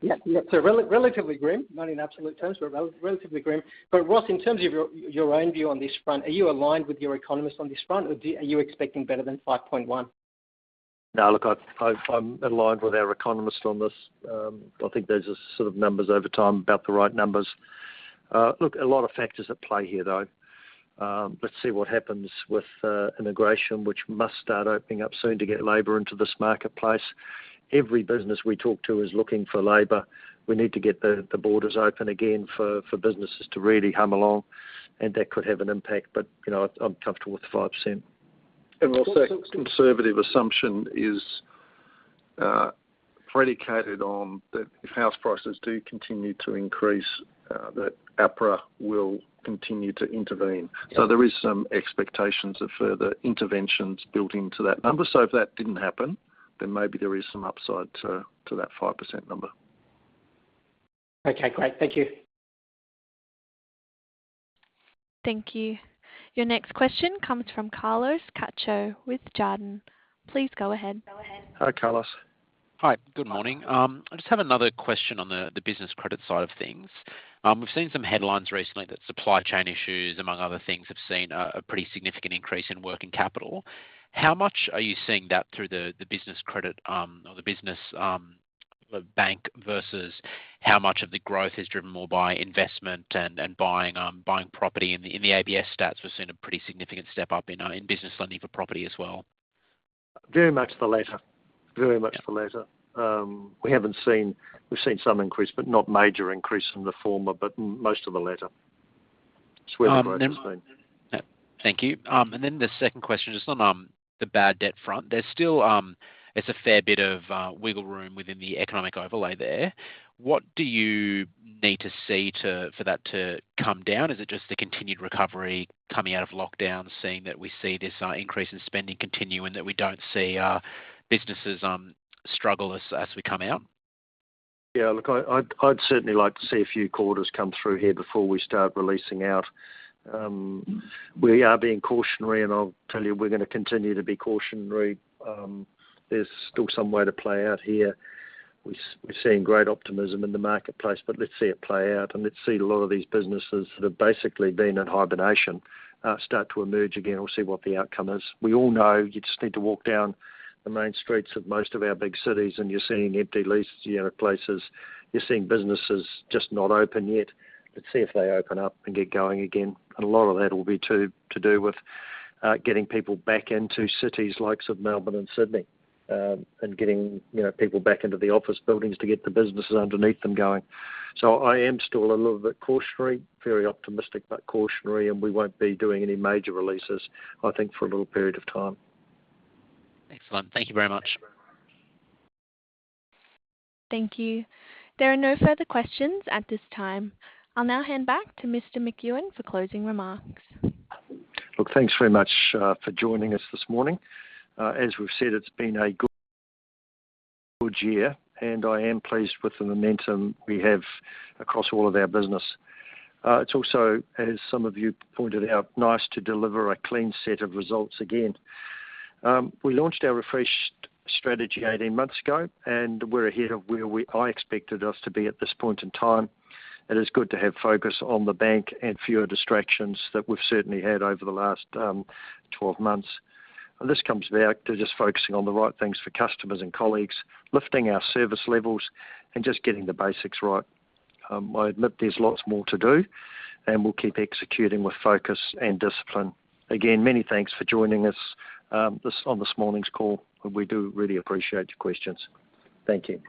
Yeah. Relatively grim, not in absolute terms, but relatively grim. Ross, in terms of your own view on this front, are you aligned with your economists on this front, or are you expecting better than 5.1%? No. Look, I'm aligned with our economists on this. I think those are sort of numbers over time, about the right numbers. Look, a lot of factors at play here, though. Let's see what happens with immigration, which must start opening up soon to get labor into this marketplace. Every business we talk to is looking for labor. We need to get the borders open again for businesses to really hum along, and that could have an impact. You know, I'm comfortable with the 5%. Conservative assumption is predicated on that if house prices do continue to increase, that APRA will continue to intervene. Yeah. There is some expectations of further interventions built into that number. If that didn't happen, then maybe there is some upside to that 5% number. Okay. Great. Thank you. Thank you. Your next question comes from Carlos Cacho with Jarden. Please go ahead. Hi, Carlos. Hi. Good morning. I just have another question on the business credit side of things. We've seen some headlines recently that supply chain issues, among other things, have seen a pretty significant increase in working capital. How much are you seeing that through the business credit or the business bank versus how much of the growth is driven more by investment and buying property? In the ABS stats, we've seen a pretty significant step up in business lending for property as well. Very much the latter. Yeah. We've seen some increase, but not major increase from the former, but most of the latter. It's where the growth has been. Thank you. The second question is on the bad debt front. There's still it's a fair bit of wiggle room within the economic overlay there. What do you need to see for that to come down? Is it just the continued recovery coming out of lockdown, seeing that we see this increase in spending continue and that we don't see businesses struggle as we come out? Look, I'd certainly like to see a few quarters come through here before we start releasing out. We are being cautionary, and I'll tell you, we're gonna continue to be cautionary. There's still some way to play out here. We're seeing great optimism in the marketplace, but let's see it play out and let's see a lot of these businesses that have basically been in hibernation, start to emerge again. We'll see what the outcome is. We all know you just need to walk down the main streets of most of our big cities, and you're seeing empty leases, you know, places. You're seeing businesses just not open yet. Let's see if they open up and get going again. A lot of that will be to do with getting people back into cities like Melbourne and Sydney, and getting, you know, people back into the office buildings to get the businesses underneath them going. I am still a little bit cautionary. Very optimistic, but cautionary, and we won't be doing any major releases, I think, for a little period of time. Excellent. Thank you very much. Thank you. There are no further questions at this time. I'll now hand back to Mr. McEwan for closing remarks. Look, thanks very much for joining us this morning. As we've said, it's been a good year, and I am pleased with the momentum we have across all of our business. It's also, as some of you pointed out, nice to deliver a clean set of results again. We launched our refreshed strategy 18 months ago, and we're ahead of where I expected us to be at this point in time. It is good to have focus on the bank and fewer distractions that we've certainly had over the last 12 months. This comes back to just focusing on the right things for customers and colleagues, lifting our service levels, and just getting the basics right. I admit there's lots more to do, and we'll keep executing with focus and discipline. Again, many thanks for joining us, on this morning's call, and we do really appreciate your questions. Thank you.